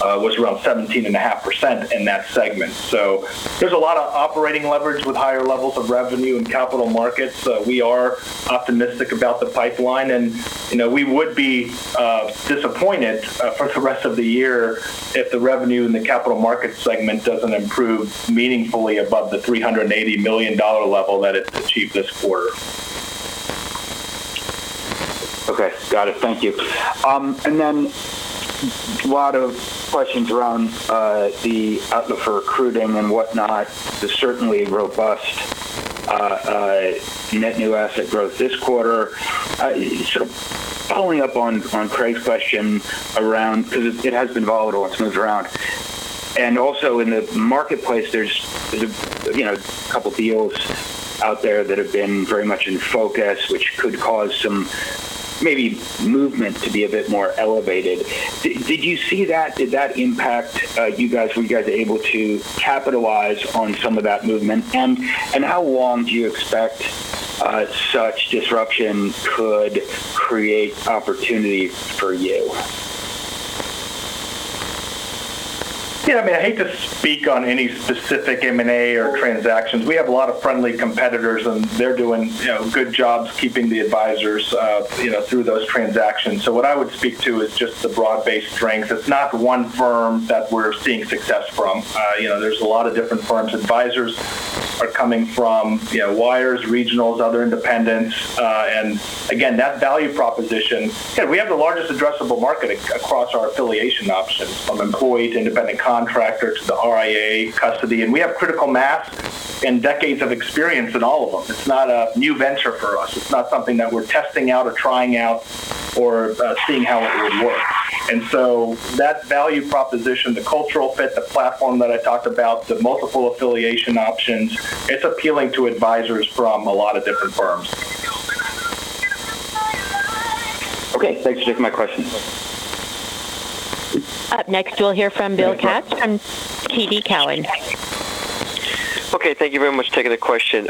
was around 17.5% in that segment. So there's a lot of operating leverage with higher levels of revenue in capital markets. So we are optimistic about the pipeline, and, you know, we would be disappointed for the rest of the year if the revenue in the capital markets segment doesn't improve meaningfully above the $380 million level that it's achieved this quarter. Okay. Got it. Thank you. And then a lot of questions around the outlook for recruiting and whatnot. There's certainly robust net new asset growth this quarter. Sort of following up on Craig's question around because it has been volatile, it's moved around. And also in the marketplace, there's, you know, a couple deals out there that have been very much in focus, which could cause some maybe movement to be a bit more elevated. Did you see that? Did that impact you guys? Were you guys able to capitalize on some of that movement? And how long do you expect such disruption could create opportunity for you? Yeah, I mean, I hate to speak on any specific M&A or transactions. We have a lot of friendly competitors, and they're doing, you know, good jobs keeping the advisors, you know, through those transactions. So what I would speak to is just the broad-based strength. It's not one firm that we're seeing success from. You know, there's a lot of different firms. Advisors are coming from, you know, wires, regionals, other independents. And again, that value proposition, yeah, we have the largest addressable market across our affiliation options, from employee to independent contractor to the RIA custody, and we have critical mass and decades of experience in all of them. It's not a new venture for us. It's not something that we're testing out or trying out or, seeing how it would work. And so that value proposition, the cultural fit, the platform that I talked about, the multiple affiliation options, it's appealing to advisors from a lot of different firms. Okay, thanks for taking my questions. Up next, we'll hear from Bill Katz from TD Cowen. Okay, thank you very much for taking the question.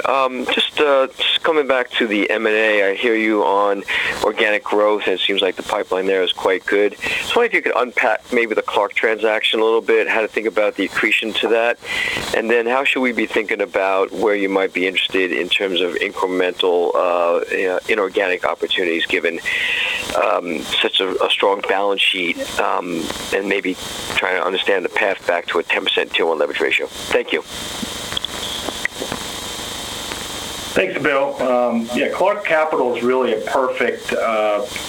Just, just coming back to the M&A, I hear you on organic growth, and it seems like the pipeline there is quite good. Just wonder if you could unpack maybe the Clark transaction a little bit, how to think about the accretion to that? And then how should we be thinking about where you might be interested in terms of incremental, inorganic opportunities, given, such a strong balance sheet, and maybe trying to understand the path back to a 10% Tier 1 Leverage Ratio. Thank you. Thanks, Bill. Yeah, Clark Capital is really a perfect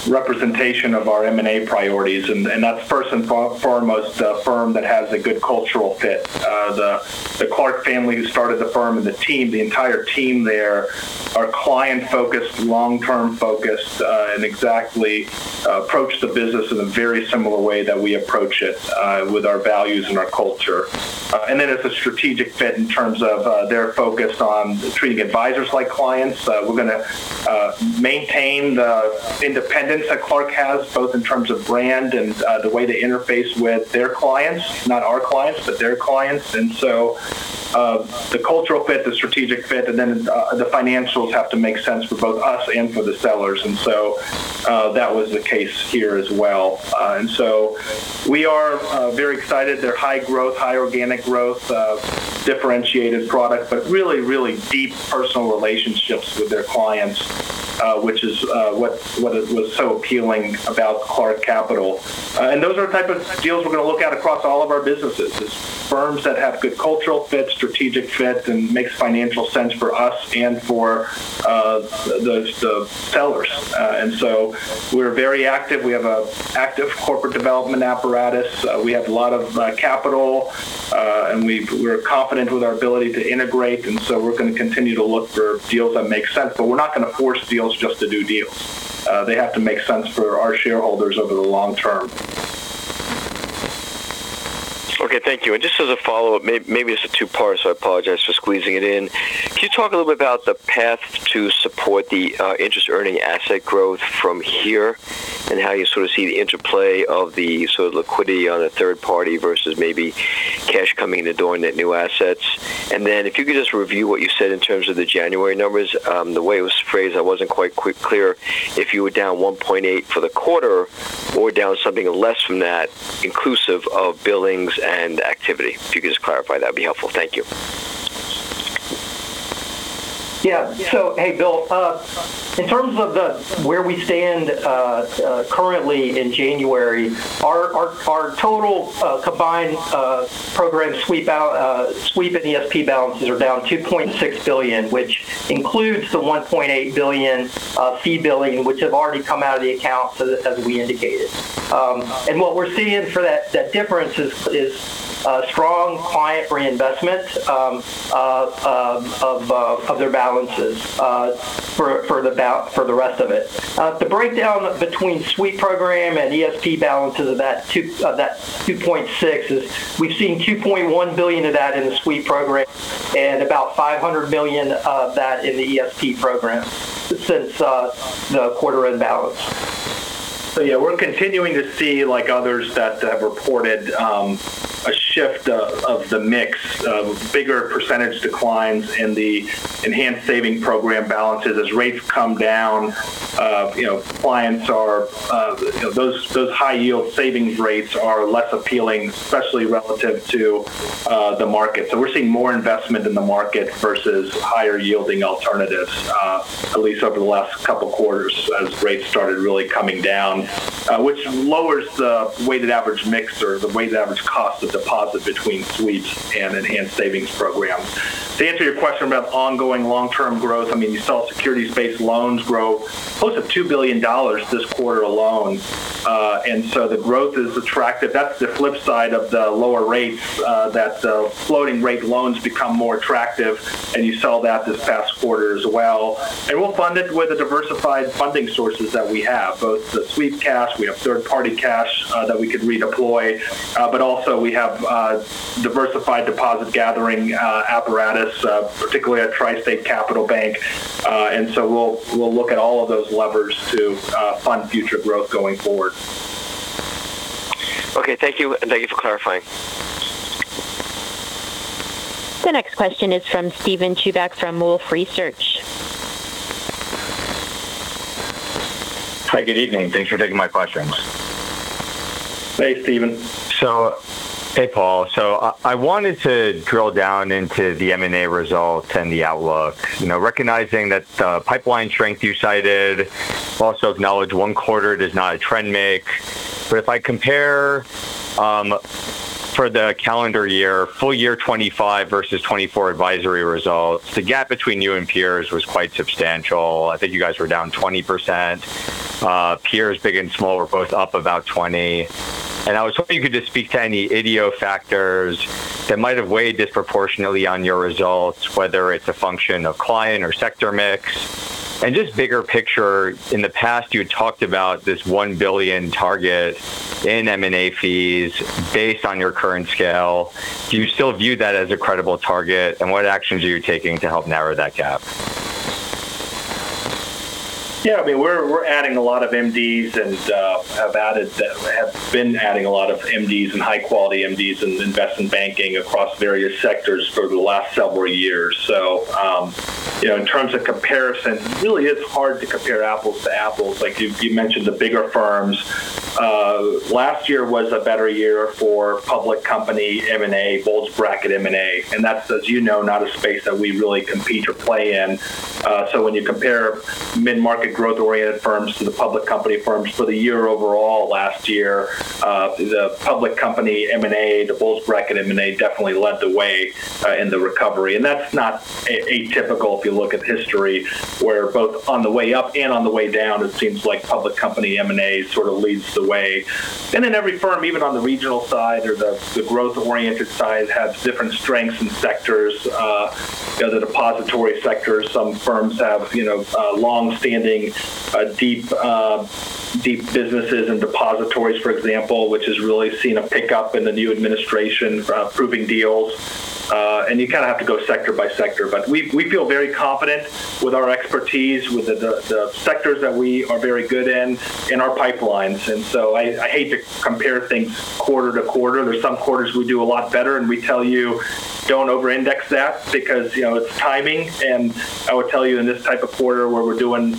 representation of our M&A priorities, and that's first and foremost, a firm that has a good cultural fit. The Clark family, who started the firm and the team, the entire team there, are client-focused, long-term focused, and exactly approach the business in a very similar way that we approach it, with our values and our culture. And then it's a strategic fit in terms of their focus on treating advisors like clients. We're going to maintain the independence that Clark has, both in terms of brand and the way they interface with their clients, not our clients, but their clients. And so, the cultural fit, the strategic fit, and then the financials have to make sense for both us and for the sellers. That was the case here as well. We are very excited. They're high growth, high organic growth, differentiated product, but really, really deep personal relationships with their clients, which is what was so appealing about Clark Capital. Those are the type of deals we're going to look at across all of our businesses, is firms that have good cultural fit, strategic fit, and makes financial sense for us and for the sellers. We're very active. We have an active corporate development apparatus. We have a lot of capital, and we're confident with our ability to integrate, and so we're going to continue to look for deals that make sense, but we're not going to force deals just to do deals. They have to make sense for our shareholders over the long term. Okay. Thank you. And just as a follow-up, maybe it's a two-parter, so I apologize for squeezing it in. Can you talk a little bit about the path to support the interest earning asset growth from here, and how you sort of see the interplay of the sort of liquidity on a third party versus maybe cash coming in the door net new assets? And then if you could just review what you said in terms of the January numbers. The way it was phrased, I wasn't quite clear if you were down 1.8 for the quarter or down something less from that, inclusive of billings and activity. If you could just clarify, that'd be helpful. Thank you. ... Yeah. So, hey, Bill, in terms of where we stand currently in January, our total combined program sweep and ESP balances are down $2.6 billion, which includes the $1.8 billion fee billing which have already come out of the account, as we indicated. And what we're seeing for that difference is strong client reinvestment of their balances for the rest of it. The breakdown between sweep program and ESP balances of that $2.6 is we've seen $2.1 billion of that in the sweep program and about $500 million of that in the ESP program since the quarter end balance. So yeah, we're continuing to see, like others that have reported, a shift of, of the mix, of bigger percentage declines in the Enhanced Savings Program balances. As rates come down, you know, clients are those, those high-yield savings rates are less appealing, especially relative to, the market. So we're seeing more investment in the market versus higher yielding alternatives, at least over the last couple of quarters, as rates started really coming down, which lowers the weighted average mix or the weighted average cost of deposit between sweeps and Enhanced Savings Programs. To answer your question about ongoing long-term growth, I mean, you saw securities-based loans grow close to $2 billion this quarter alone. And so the growth is attractive. That's the flip side of the lower rates, that the floating rate loans become more attractive, and you saw that this past quarter as well. We'll fund it with the diversified funding sources that we have, both the sweep cash, we have third-party cash, that we could redeploy, but also we have diversified deposit gathering apparatus, particularly at TriState Capital Bank. And so we'll look at all of those levers to fund future growth going forward. Okay, thank you, and thank you for clarifying. The next question is from Steven Chubak from Wolfe Research. Hi, good evening. Thanks for taking my questions. Hey, Steven. So, hey, Paul. So I wanted to drill down into the M&A results and the outlook. You know, recognizing that the pipeline strength you cited, also acknowledge one quarter does not a trend make. But if I compare, for the calendar year, full year 2025 versus 2024 advisory results, the gap between you and peers was quite substantial. I think you guys were down 20%. Peers, big and small, were both up about 20%, and I was hoping you could just speak to any idiosyncratic factors that might have weighed disproportionately on your results, whether it's a function of client or sector mix. And just bigger picture, in the past, you had talked about this $1 billion target in M&A fees based on your current scale. Do you still view that as a credible target, and what actions are you taking to help narrow that gap? Yeah, I mean, we're adding a lot of MDs and have been adding a lot of high quality MDs in investment banking across various sectors for the last several years. So, you know, in terms of comparison, really, it's hard to compare apples to apples. Like you mentioned, the bigger firms. Last year was a better year for public company M&A, bulge bracket M&A, and that's, as you know, not a space that we really compete or play in. So when you compare mid-market growth-oriented firms to the public company firms for the year overall last year, the public company M&A, the bulge bracket M&A, definitely led the way in the recovery. And that's not atypical if you look at history, where both on the way up and on the way down, it seems like public company M&A sort of leads the way. And then every firm, even on the regional side or the growth-oriented side, has different strengths and sectors. The depository sector, some firms have, you know, long-standing, deep businesses and depositories, for example, which has really seen a pickup in the new administration approving deals. And you kind of have to go sector by sector. But we feel very confident with our expertise, with the sectors that we are very good in, in our pipelines. And so I hate to compare things quarter to quarter. There's some quarters we do a lot better, and we tell you, "Don't overindex that because, you know, it's timing." And I would tell you, in this type of quarter where we're doing,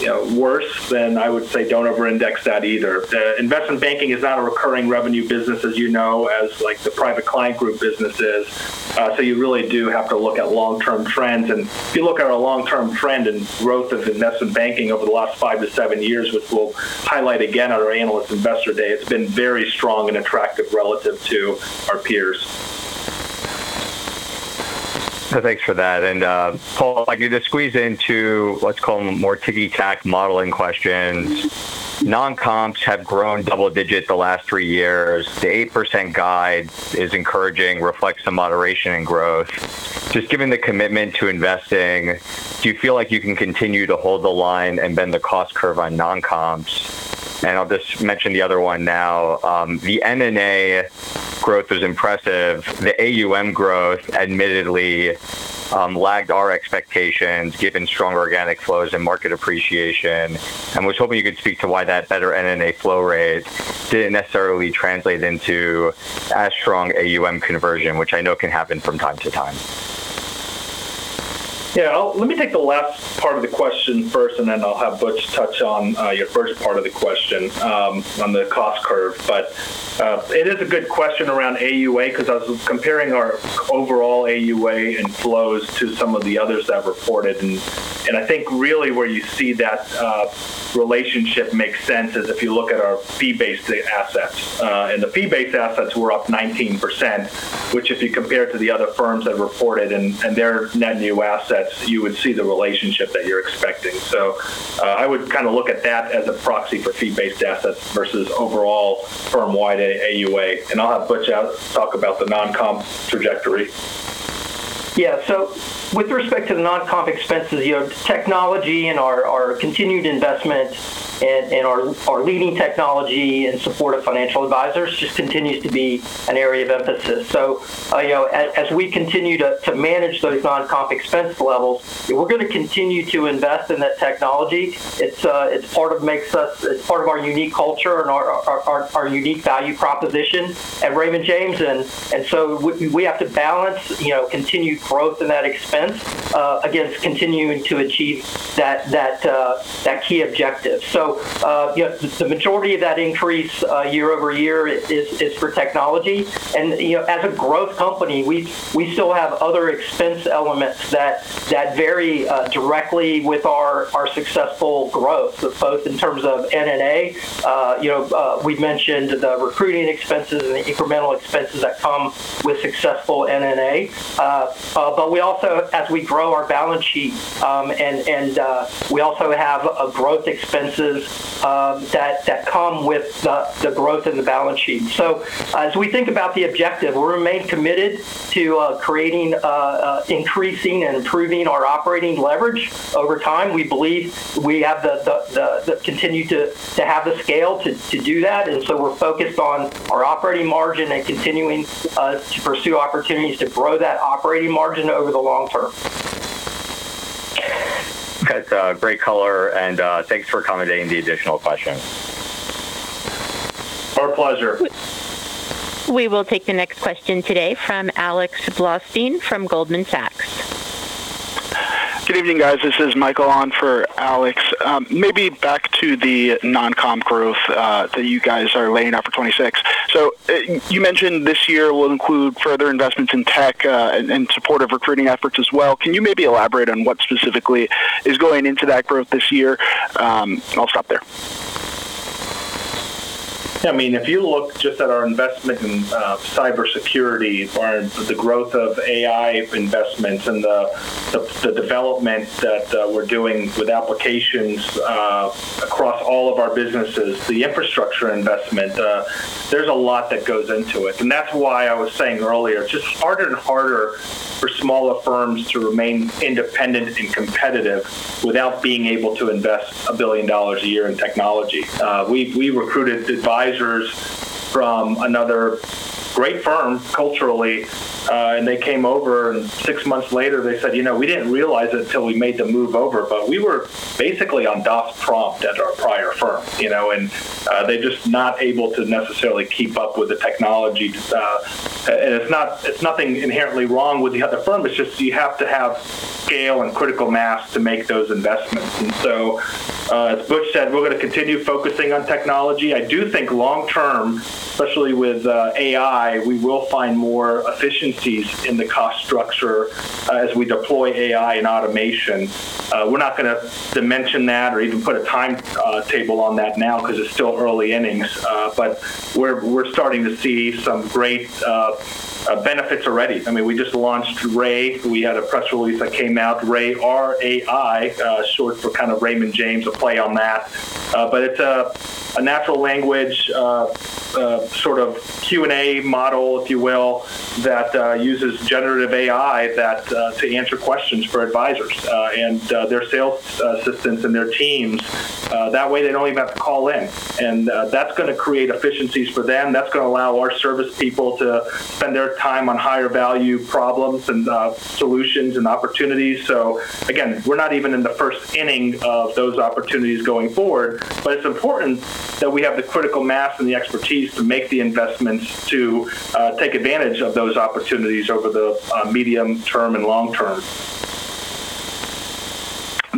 you know, worse, then I would say, "Don't overindex that either." The investment banking is not a recurring revenue business, as you know, as like the Private Client Group business is. So you really do have to look at long-term trends. And if you look at our long-term trend and growth of investment banking over the last five-seven years, which we'll highlight again at our Analyst Investor Day, it's been very strong and attractive relative to our peers. So thanks for that. And, Paul, if I could just squeeze into what's called more ticky tack modeling questions. Non-comps have grown double digits the last three years. The 8% guide is encouraging, reflects some moderation in growth. Just given the commitment to investing, do you feel like you can continue to hold the line and bend the cost curve on non-comps? And I'll just mention the other one now. The M&A growth is impressive. The AUM growth admittedly lagged our expectations, given stronger organic flows and market appreciation. And I was hoping you could speak to why that better M&A flow rate didn't necessarily translate into as strong AUM conversion, which I know can happen from time to time. ... Yeah, I'll let me take the last part of the question first, and then I'll have Butch touch on your first part of the question on the cost curve. But it is a good question around AUA, 'cause I was comparing our overall AUA inflows to some of the others that reported. And I think really where you see that relationship make sense is if you look at our fee-based assets. And the fee-based assets were up 19%, which if you compare to the other firms that reported and their net new assets, you would see the relationship that you're expecting. So I would kind of look at that as a proxy for fee-based assets versus overall firm-wide AUA. And I'll have Butch talk about the non-comp trajectory. Yeah. So with respect to the non-comp expenses, you know, technology and our continued investment in our leading technology in support of financial advisors just continues to be an area of emphasis. So, you know, as we continue to manage those non-comp expense levels, we're gonna continue to invest in that technology. It's part of our unique culture and our unique value proposition at Raymond James. And so we have to balance, you know, continued growth in that expense against continuing to achieve that key objective. So, you know, the majority of that increase year-over-year is for technology. You know, as a growth company, we still have other expense elements that vary directly with our successful growth, both in terms of NNA. You know, we've mentioned the recruiting expenses and the incremental expenses that come with successful NNA. But we also, as we grow our balance sheet, and we also have growth expenses that come with the growth in the balance sheet. So as we think about the objective, we remain committed to creating, increasing and improving our operating leverage over time. We believe we continue to have the scale to do that, and so we're focused on our operating margin and continuing to pursue opportunities to grow that operating margin over the long term. That's great color, and thanks for accommodating the additional questions. Our pleasure. We will take the next question today from Alex Blostein from Goldman Sachs. Good evening, guys. This is Michael on for Alex. Maybe back to the non-comp growth that you guys are laying out for 2026. So, you mentioned this year will include further investments in tech, and support of recruiting efforts as well. Can you maybe elaborate on what specifically is going into that growth this year? And I'll stop there. I mean, if you look just at our investment in cybersecurity, or the growth of AI investments and the development that we're doing with applications across all of our businesses, the infrastructure investment, there's a lot that goes into it. And that's why I was saying earlier, it's just harder and harder for smaller firms to remain independent and competitive without being able to invest $1 billion a year in technology. We recruited advisors from another great firm, culturally, and they came over, and six months later, they said, "You know, we didn't realize it until we made the move over, but we were basically on DOS prompt at our prior firm," you know? And they're just not able to necessarily keep up with the technology. And it's not—it's nothing inherently wrong with the other firm, it's just you have to have scale and critical mass to make those investments. And so, as Butch said, we're gonna continue focusing on technology. I do think long term, especially with AI, we will find more efficiencies in the cost structure, as we deploy AI and automation. We're not gonna dimension that or even put a time table on that now, 'cause it's still early innings. But we're starting to see some great benefits already. I mean, we just launched Rai. We had a press release that came out. Rai, R-A-I, short for kind of Raymond James, a play on that. But it's a natural language sort of Q&A model, if you will, that uses generative AI to answer questions for advisors and their sales assistants and their teams. That way, they don't even have to call in. And that's gonna create efficiencies for them. That's gonna allow our service people to spend their time on higher value problems and solutions and opportunities. So again, we're not even in the first inning of those opportunities going forward, but it's important that we have the critical mass and the expertise to make the investments to take advantage of those opportunities over the medium term and long term.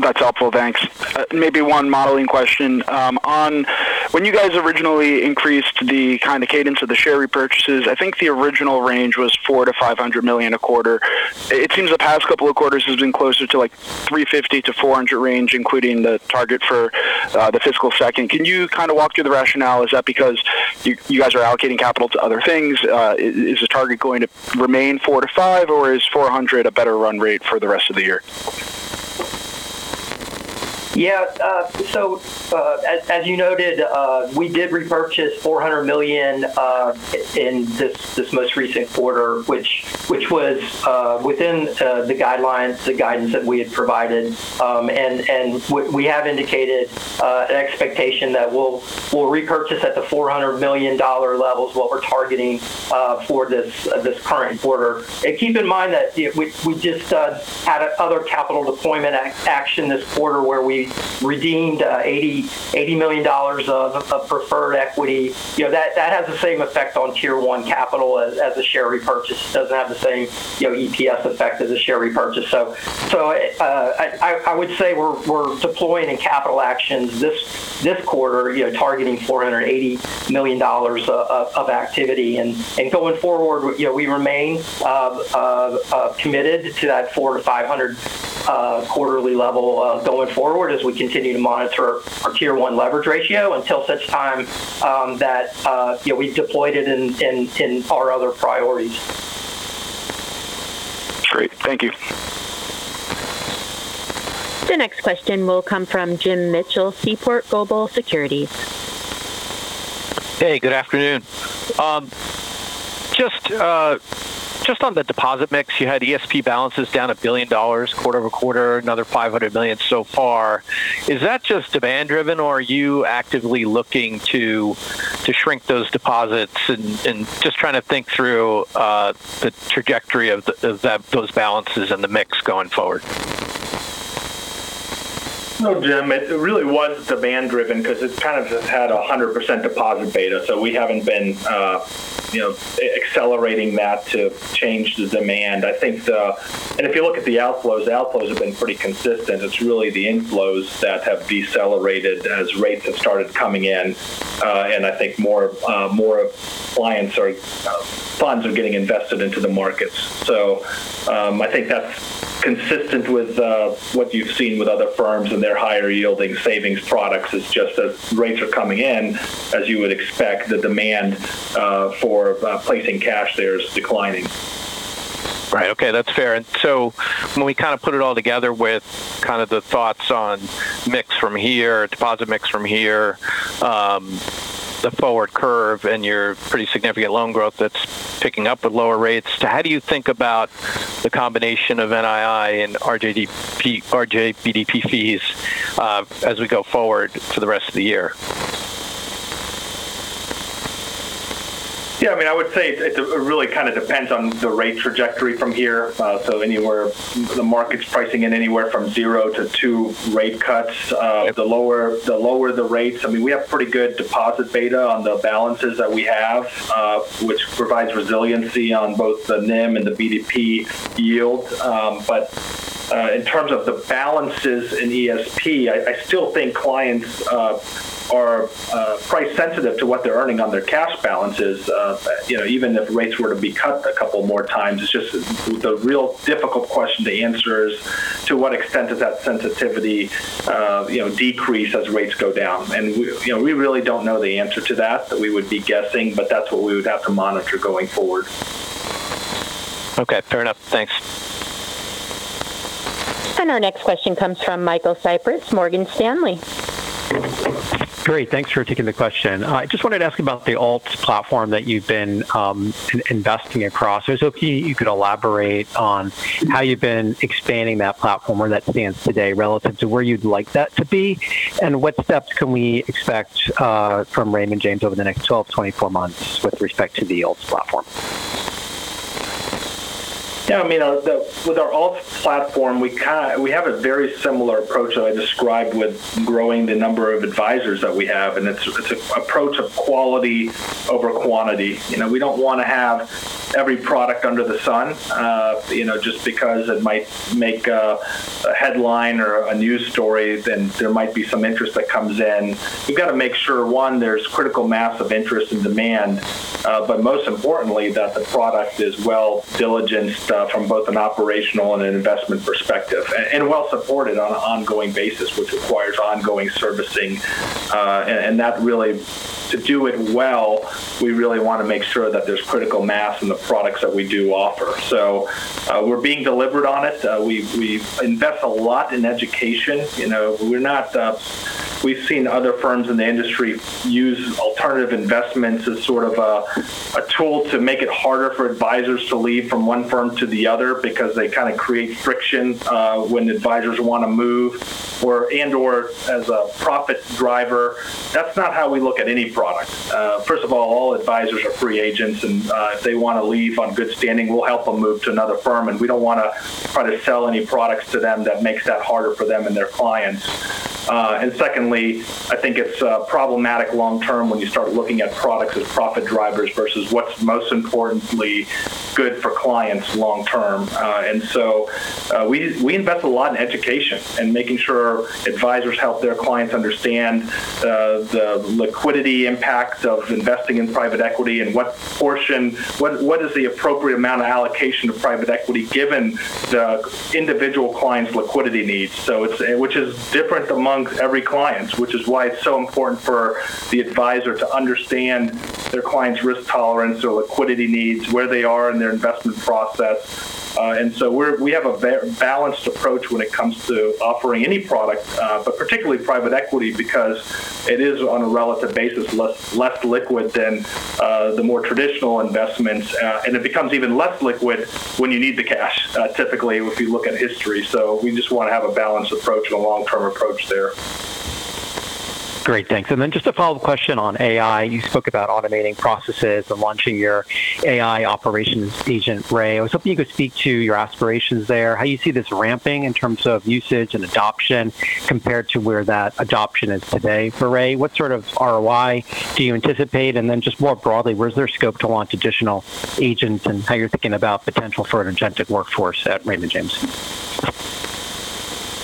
That's helpful. Thanks. Maybe one modeling question. On when you guys originally increased the kind of cadence of the share repurchases, I think the original range was $400-$500 million a quarter. It seems the past couple of quarters has been closer to, like, $350-$400 range, including the target for the fiscal second. Can you kind of walk through the rationale? Is that because you guys are allocating capital to other things? Is the target going to remain $400-$500, or is $400 a better run rate for the rest of the year? ... Yeah, so, as you noted, we did repurchase $400 million in this most recent quarter, which was within the guidelines, the guidance that we had provided. And we have indicated an expectation that we'll repurchase at the $400 million level is what we're targeting for this current quarter. And keep in mind that we just had another capital deployment action this quarter, where we redeemed $80 million of preferred equity. You know, that has the same effect on Tier 1 capital as a share repurchase. It doesn't have the same, you know, EPS effect as a share repurchase. I would say we're deploying in capital actions this quarter, you know, targeting $480 million of activity. Going forward, you know, we remain committed to that $400-$500 quarterly level, going forward, as we continue to monitor our Tier 1 leverage ratio, until such time that, you know, we've deployed it in our other priorities. Great. Thank you. The next question will come from Jim Mitchell, Seaport Global Securities. Hey, good afternoon. Just on the deposit mix, you had ESP balances down $1 billion quarter-over-quarter, another $500 million so far. Is that just demand driven, or are you actively looking to shrink those deposits? And just trying to think through the trajectory of those balances and the mix going forward. No, Jim, it really was demand driven, because it kind of just had 100% deposit beta, so we haven't been, you know, accelerating that to change the demand. I think, and if you look at the outflows, the outflows have been pretty consistent. It's really the inflows that have decelerated as rates have started coming in, and I think more more clients or funds are getting invested into the markets. So, I think that's consistent with what you've seen with other firms and their higher-yielding savings products. It's just as rates are coming in, as you would expect, the demand for placing cash there is declining. Right. Okay, that's fair. So when we kind of put it all together with kind of the thoughts on mix from here, deposit mix from here, the forward curve and your pretty significant loan growth that's picking up with lower rates, how do you think about the combination of NII and RJBDP fees, as we go forward for the rest of the year? Yeah, I mean, I would say it really kind of depends on the rate trajectory from here. So anywhere - the market's pricing in anywhere from 0 to 2 rate cuts. The lower the rates - I mean, we have pretty good deposit beta on the balances that we have, which provides resiliency on both the NIM and the BDP yields. But in terms of the balances in ESP, I still think clients are price sensitive to what they're earning on their cash balances. You know, even if rates were to be cut a couple more times, it's just the real difficult question to answer is: To what extent does that sensitivity, you know, decrease as rates go down? You know, we really don't know the answer to that, but we would be guessing, but that's what we would have to monitor going forward. Okay, fair enough. Thanks. Our next question comes from Michael Cyprys, Morgan Stanley. Great, thanks for taking the question. I just wanted to ask about the alts platform that you've been investing across. I was hoping you could elaborate on how you've been expanding that platform, where that stands today relative to where you'd like that to be, and what steps can we expect from Raymond James over the next 12, 24 months with respect to the alts platform? Yeah, I mean, with our alts platform, we have a very similar approach that I described with growing the number of advisors that we have, and it's an approach of quality over quantity. You know, we don't want to have every product under the sun, you know, just because it might make a headline or a news story, then there might be some interest that comes in. We've got to make sure, one, there's critical mass of interest and demand, but most importantly, that the product is well diligenced from both an operational and an investment perspective, and well supported on an ongoing basis, which requires ongoing servicing. And that really, to do it well, we really want to make sure that there's critical mass in the products that we do offer. So, we're being deliberate on it. We invest a lot in education. You know, we're not... We've seen other firms in the industry use alternative investments as sort of a tool to make it harder for advisors to leave from one firm to the other because they kind of create friction, when advisors want to move or, and/or as a profit driver. That's not how we look at any product. First of all, all advisors are free agents, and, if they want to leave on good standing, we'll help them move to another firm, and we don't want to try to sell any products to them that makes that harder for them and their clients. And secondly, I think it's problematic long term when you start looking at products as profit drivers versus what's most importantly good for clients long term. And so, we invest a lot in education and making sure advisors help their clients understand the liquidity impacts of investing in private equity and what is the appropriate amount of allocation to private equity, given the individual client's liquidity needs. So it's, which is different among every client, which is why it's so important for the advisor to understand their client's risk tolerance or liquidity needs, where they are in their investment process. And so we have a balanced approach when it comes to offering any product, but particularly private equity, because it is, on a relative basis, less liquid than the more traditional investments, and it becomes even less liquid when you need the cash, typically, if you look at history. So we just want to have a balanced approach and a long-term approach there. ... Great, thanks. And then just a follow-up question on AI. You spoke about automating processes and launching your AI operations agent, Rai. I was hoping you could speak to your aspirations there, how you see this ramping in terms of usage and adoption compared to where that adoption is today for Rai. What sort of ROI do you anticipate? And then just more broadly, where is there scope to launch additional agents and how you're thinking about potential for an agentic workforce at Raymond James?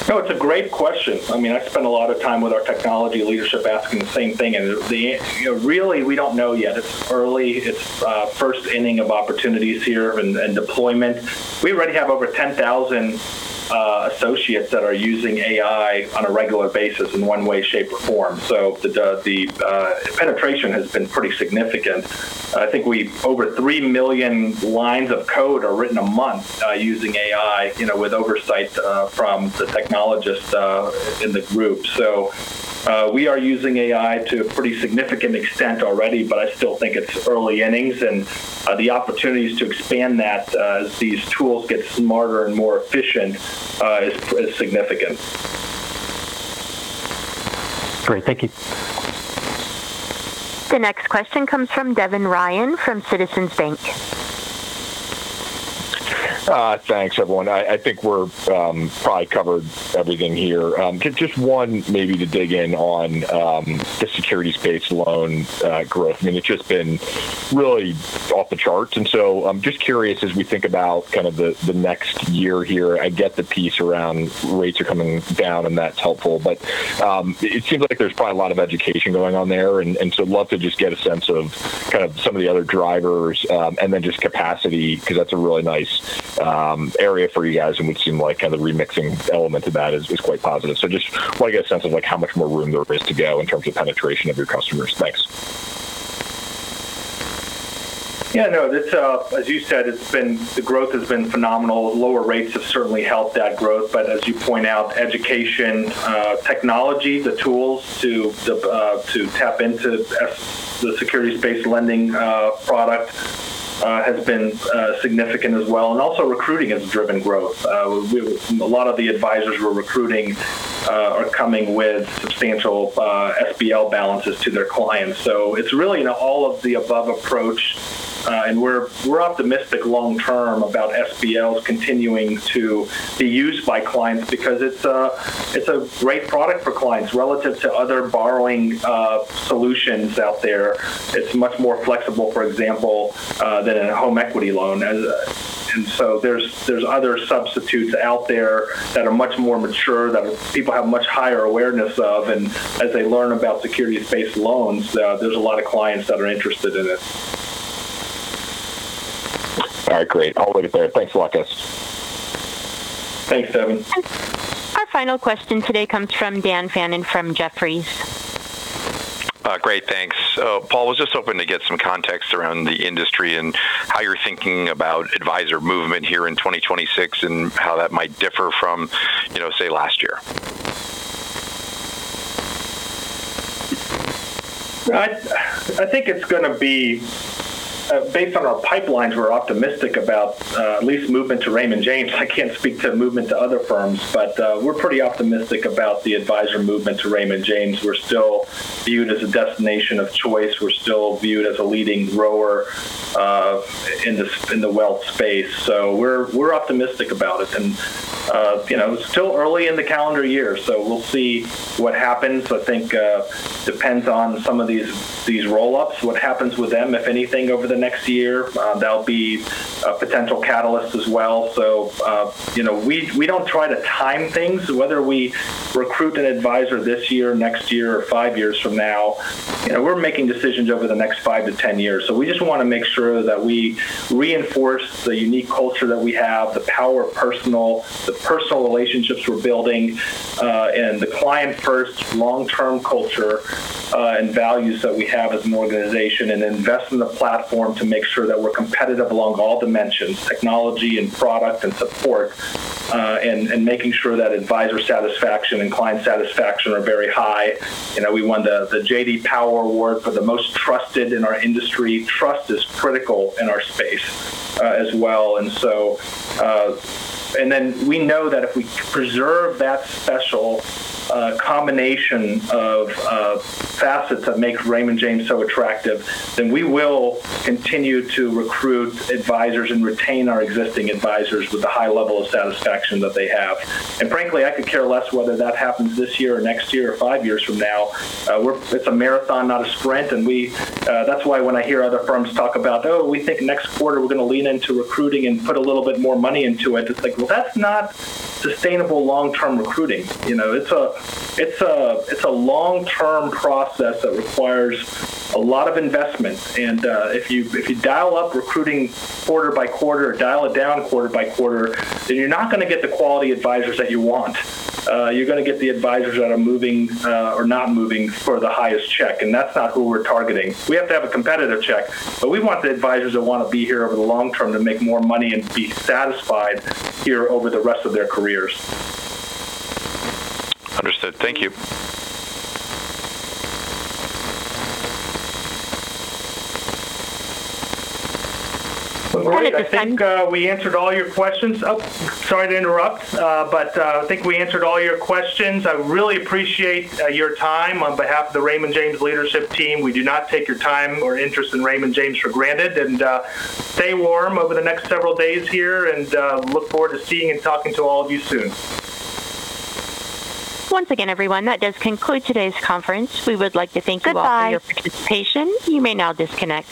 No, it's a great question. I mean, I spend a lot of time with our technology leadership asking the same thing, and, you know, really, we don't know yet. It's early. It's first inning of opportunities here and deployment. We already have over 10,000 associates that are using AI on a regular basis in one way, shape, or form. So the penetration has been pretty significant. I think we've over three million lines of code are written a month using AI, you know, with oversight from the technologists in the group. So we are using AI to a pretty significant extent already, but I still think it's early innings, and the opportunities to expand that as these tools get smarter and more efficient is significant. Great. Thank you. The next question comes from Devin Ryan from Citizens JMP. Thanks, everyone. I, I think we're probably covered everything here. Just, just one maybe to dig in on the securities-based loan growth. I mean, it's just been really off the charts, and so I'm just curious, as we think about kind of the next year here, I get the piece around rates are coming down, and that's helpful, but it seems like there's probably a lot of education going on there, and so love to just get a sense of kind of some of the other drivers, and then just capacity, because that's a really nice area for you guys, and would seem like kind of the remixing element to that is quite positive. So just want to get a sense of, like, how much more room there is to go in terms of penetration of your customers. Thanks. Yeah, no, this, as you said, it's been the growth has been phenomenal. Lower rates have certainly helped that growth, but as you point out, education, technology, the tools to to tap into the securities-based lending product has been significant as well. And also recruiting has driven growth. We, a lot of the advisors we're recruiting are coming with substantial SBL balances to their clients. So it's really an all-of-the-above approach, and we're optimistic long term about SBLs continuing to be used by clients because it's a, it's a great product for clients relative to other borrowing solutions out there. It's much more flexible, for example, than a home equity loan. and so there's other substitutes out there that are much more mature, that people have much higher awareness of, and as they learn about securities-based loans, there's a lot of clients that are interested in it. All right, great. I'll leave it there. Thanks for walking us. Thanks, Devin. Our final question today comes from Dan Fannon from Jefferies. Great. Thanks. Paul, I was just hoping to get some context around the industry and how you're thinking about advisor movement here in 2026 and how that might differ from, you know, say, last year? I think it's gonna be, based on our pipelines, we're optimistic about at least movement to Raymond James. I can't speak to movement to other firms, but we're pretty optimistic about the advisor movement to Raymond James. We're still viewed as a destination of choice. We're still viewed as a leading grower in the wealth space. So we're optimistic about it. And you know, it's still early in the calendar year, so we'll see what happens. I think depends on some of these roll-ups, what happens with them, if anything, over the next year. That'll be a potential catalyst as well. So you know, we don't try to time things. Whether we recruit an advisor this year, next year, or five years from now, you know, we're making decisions over the next 5 to 10 years. So we just wanna make sure that we reinforce the unique culture that we have, the Power of Personal, the personal relationships we're building, and the client-first, long-term culture, and values that we have as an organization, and invest in the platform to make sure that we're competitive along all dimensions, technology and product and support, and making sure that advisor satisfaction and client satisfaction are very high. You know, we won the J.D. Power Award for the most trusted in our industry. Trust is critical in our space, as well. And so... And then we know that if we preserve that special combination of facets that makes Raymond James so attractive, then we will continue to recruit advisors and retain our existing advisors with the high level of satisfaction that they have. And frankly, I could care less whether that happens this year or next year or five years from now. It's a marathon, not a sprint, and we, that's why when I hear other firms talk about, "Oh, we think next quarter we're going to lean into recruiting and put a little bit more money into it," it's like, well, that's not sustainable long-term recruiting. You know, it's a long-term process that requires a lot of investment, and if you dial up recruiting quarter by quarter or dial it down quarter by quarter, then you're not gonna get the quality advisors that you want. You're gonna get the advisors that are moving or not moving for the highest check, and that's not who we're targeting. We have to have a competitive check, but we want the advisors that want to be here over the long term to make more money and be satisfied here over the rest of their careers. Understood. Thank you. I think- I think we answered all your questions. Oh, sorry to interrupt, but I think we answered all your questions. I really appreciate your time. On behalf of the Raymond James leadership team, we do not take your time or interest in Raymond James for granted. And stay warm over the next several days here, and look forward to seeing and talking to all of you soon. Once again, everyone, that does conclude today's conference. We would like to thank you all- Goodbye... for your participation. You may now disconnect.